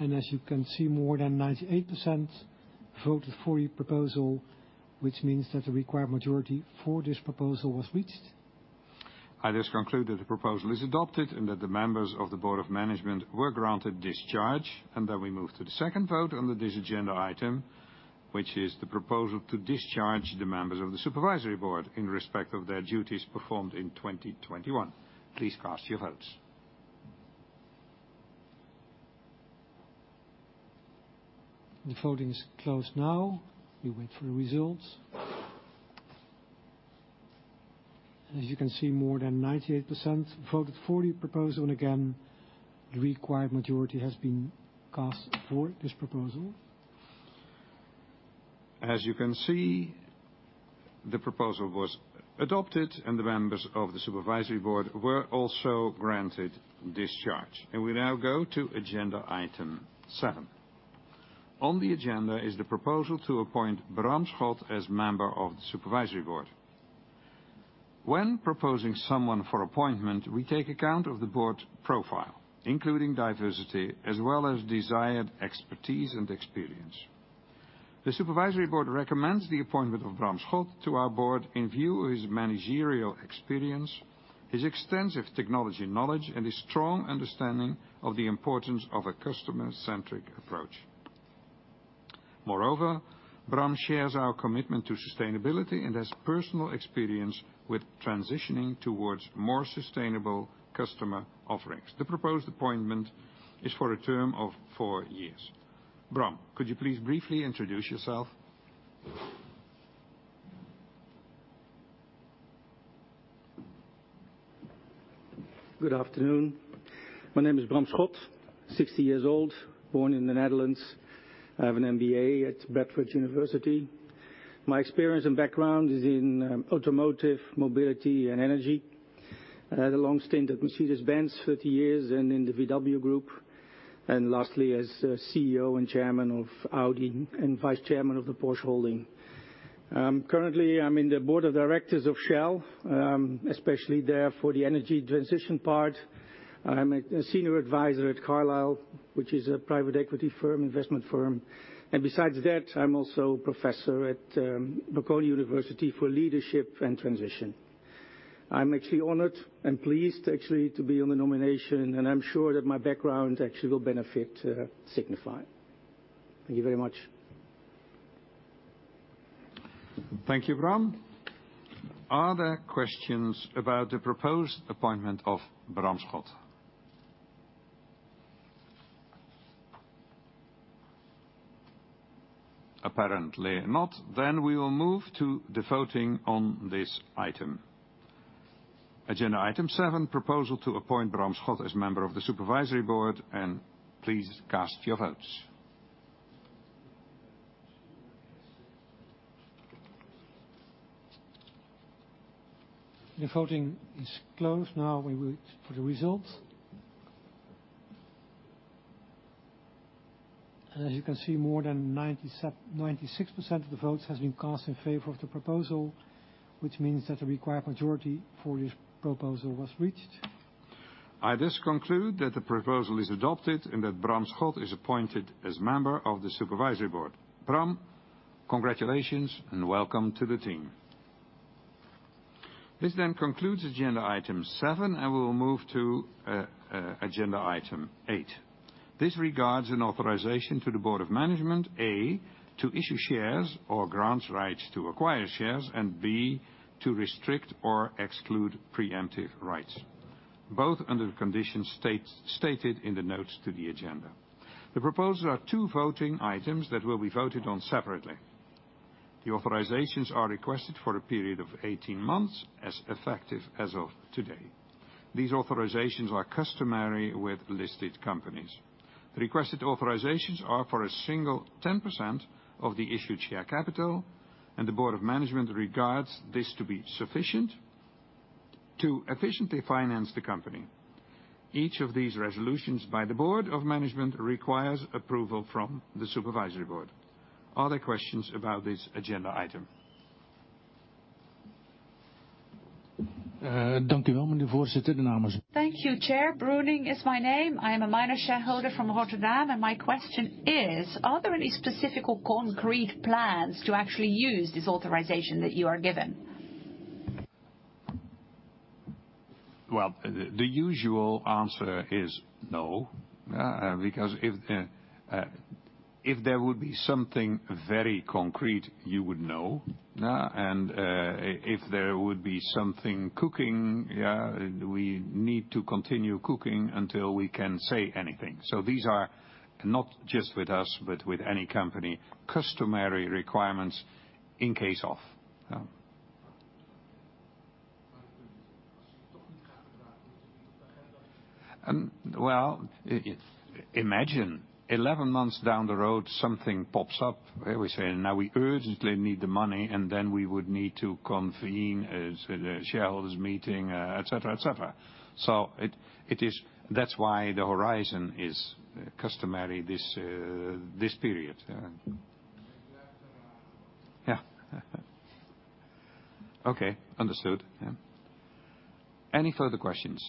As you can see, more than 98% voted for the proposal, which means that the required majority for this proposal was reached. I thus conclude that the proposal is adopted and that the Members of the Board of Management were granted discharge. We move to the second vote under this agenda item, which is the proposal to discharge the Members of the Supervisory Board in respect of their duties performed in 2021. Please cast your votes. The voting is closed now. We wait for the results. As you can see, more than 98% voted for the proposal, and again, the required majority has been cast for this proposal. As you can see, the proposal was adopted, and the Members of the Supervisory Board were also granted discharge. We now go to agenda item 7. On the agenda is the proposal to appoint Bram Schot as Member of the Supervisory Board. When proposing someone for appointment, we take account of the Board profile, including diversity as well as desired expertise and experience. The Supervisory Board recommends the appointment of Bram Schot to our Board in view of his managerial experience, his extensive technology knowledge, and his strong understanding of the importance of a customer-centric approach. Moreover, Bram shares our commitment to sustainability and has personal experience with transitioning towards more sustainable customer offerings. The proposed appointment is for a term of four years. Bram, could you please briefly introduce yourself? Good afternoon. My name is Bram Schot, 60 years old, born in the Netherlands. I have an MBA at University of Bradford. My experience and background is in automotive, mobility, and energy. I had a long stint at Mercedes-Benz, 30 years, and in the VW Group, and lastly, as CEO and Chairman of Audi and Vice Chairman of the Porsche Automobil Holding SE. Currently, I'm in the Board of Directors of Shell, especially there for the energy transition part. I'm a Senior Advisor at The Carlyle Group, which is a private equity firm, investment firm. Besides that, I'm also professor at Bocconi University for Leadership and Transition. I'm actually honored and pleased, actually, to be on the nomination, and I'm sure that my background actually will benefit Signify. Thank you very much. Thank you, Bram. Are there questions about the proposed appointment of Bram Schot? Apparently not. We will move to the voting on this item. Agenda item 7, proposal to appoint Bram Schot as Member of the Supervisory Board, and please cast your votes. The voting is closed now. We wait for the results. As you can see, more than 96% of the votes has been cast in favor of the proposal, which means that the required majority for this proposal was reached. I just conclude that the proposal is adopted and that Bram Schot is appointed as Member of the Supervisory Board. Bram, congratulations and welcome to the team. This concludes agenda item 7, and we'll move to agenda item 8. This regards an authorization to the Board of Management, A, to issue shares or grants rights to acquire shares, and B, to restrict or exclude preemptive rights, both under the conditions stated in the notes to the agenda. The proposal are two voting items that will be voted on separately. The authorizations are requested for a period of 18 months as effective as of today. These authorizations are customary with listed companies. The requested authorizations are for a single 10% of the issued share capital, and the Board of Management regards this to be sufficient to efficiently finance the company. Each of these resolutions by the Board of Management requires approval from the Supervisory Board. Are there questions about this agenda item? Uh, Thank you, Chair. Broenink is my name. I am a minor shareholder from Rotterdam, and my question is, are there any specific or concrete plans to actually use this authorization that you are given? Well, the usual answer is no. Because if there would be something very concrete, you would know, yeah. If there would be something cooking, yeah, we need to continue cooking until we can say anything. These are not just with us, but with any company, customary requirements in case of. Well, imagine 11 months down the road, something pops up. We say, "Now we urgently need the money," and then we would need to convene the shareholders meeting, et cetera. It is. That's why the horizon is customary this period, yeah. Yeah. Okay, understood. Any further questions?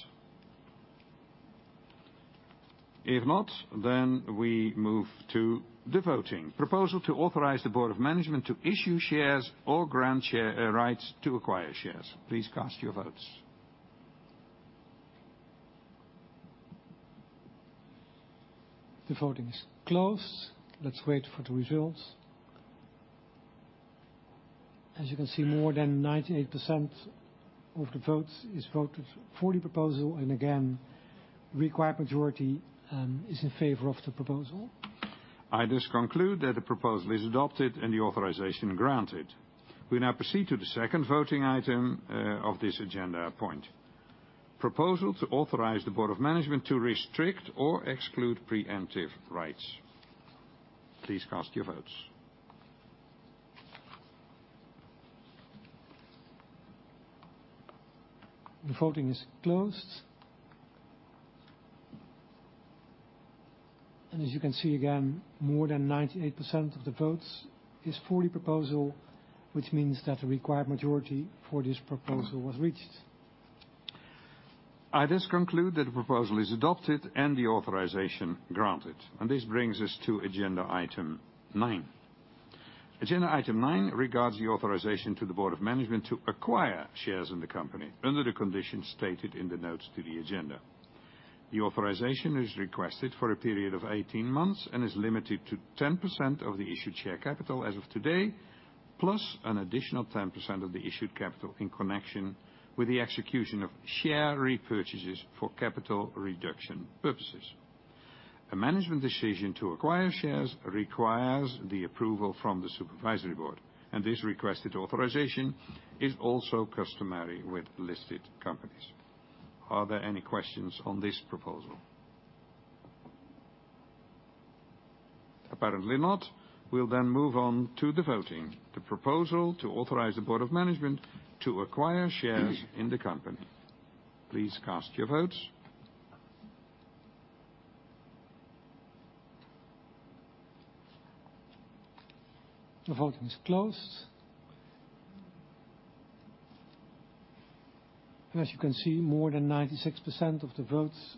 If not, then we move to the voting. Proposal to authorize the Board of Management to issue shares or grant share rights to acquire shares. Please cast your votes. The voting is closed. Let's wait for the results. As you can see, more than 98% of the votes is voted for the proposal, and again, required majority is in favor of the proposal. I just conclude that the proposal is adopted and the authorization granted. We now proceed to the second voting item of this agenda point. Proposal to authorize the Board of Management to restrict or exclude preemptive rights. Please cast your votes. The voting is closed. As you can see, again, more than 98% of the votes is for the proposal, which means that the required majority for this proposal was reached. I just conclude that the proposal is adopted and the authorization granted. This brings us to agenda item 9. Agenda item 9 regards the authorization to the Board of Management to acquire shares in the company under the conditions stated in the notes to the agenda. The authorization is requested for a period of 18 months and is limited to 10% of the issued share capital as of today, plus an additional 10% of the issued capital in connection with the execution of share repurchases for capital reduction purposes. A management decision to acquire shares requires the approval from the Supervisory Board, and this requested authorization is also customary with listed companies. Are there any questions on this proposal? Apparently not. We'll then move on to the voting. The proposal to authorize the Board of Management to acquire shares in the company. Please cast your votes. The voting is closed. As you can see, more than 96% of the votes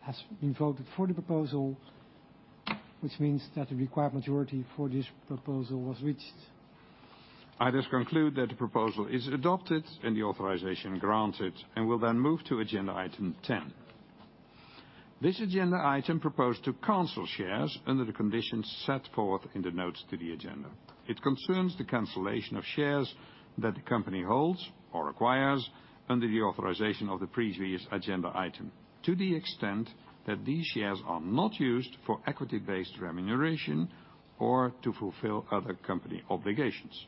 has been voted for the proposal, which means that the required majority for this proposal was reached. I just conclude that the proposal is adopted and the authorization granted, and we'll then move to agenda item 10. This agenda item proposed to cancel shares under the conditions set forth in the notes to the agenda. It concerns the cancellation of shares that the company holds or acquires under the authorization of the previous agenda item, to the extent that these shares are not used for equity-based remuneration or to fulfill other company obligations.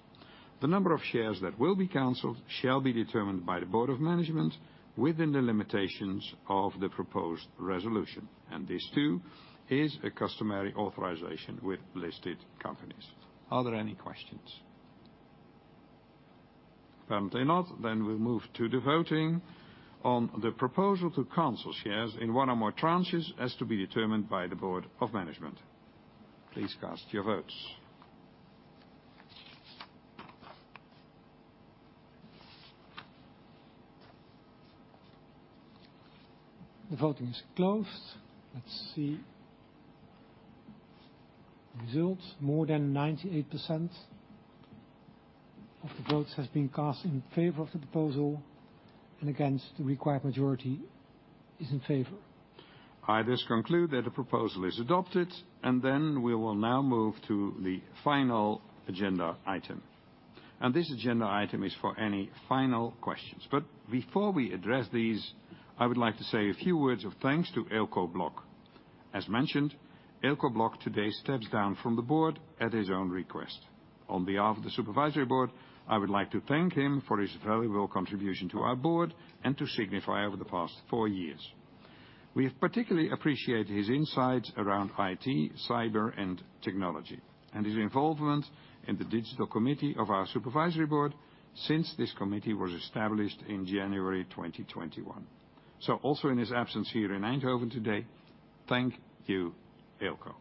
The number of shares that will be canceled shall be determined by the Board of Management within the limitations of the proposed resolution, and this, too, is a customary authorization with listed companies. Are there any questions? Apparently not. We'll move to the voting on the proposal to cancel shares in one or more tranches as to be determined by the Board of Management. Please cast your votes. The voting is closed. Let's see. Results. More than 98% of the votes has been cast in favor of the proposal, and, again, the required majority is in favor. I just conclude that the proposal is adopted, and then we will now move to the final agenda item. This agenda item is for any final questions. Before we address these, I would like to say a few words of thanks to Eelco Blok. As mentioned, Eelco Blok today steps down from the Board at his own request. On behalf of the Supervisory Board, I would like to thank him for his valuable contribution to our Board and to Signify over the past four years. We have particularly appreciated his insights around IT, cyber, and technology, and his involvement in the digital committee of our Supervisory Board since this committee was established in January 2021. Also in his absence here in Eindhoven today, thank you, Eelco.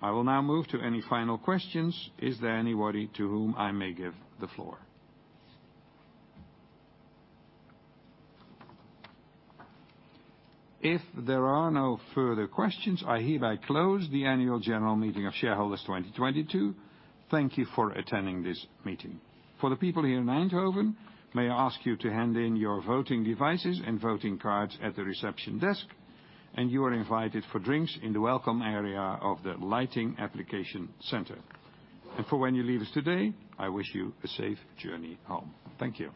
I will now move to any final questions. Is there anybody to whom I may give the floor? If there are no further questions, I hereby close the Annual General Meeting of Shareholders 2022. Thank you for attending this meeting. For the people here in Eindhoven, may I ask you to hand in your voting devices and voting cards at the reception desk, and you are invited for drinks in the welcome area of the Lighting Application Center. For when you leave us today, I wish you a safe journey home. Thank you.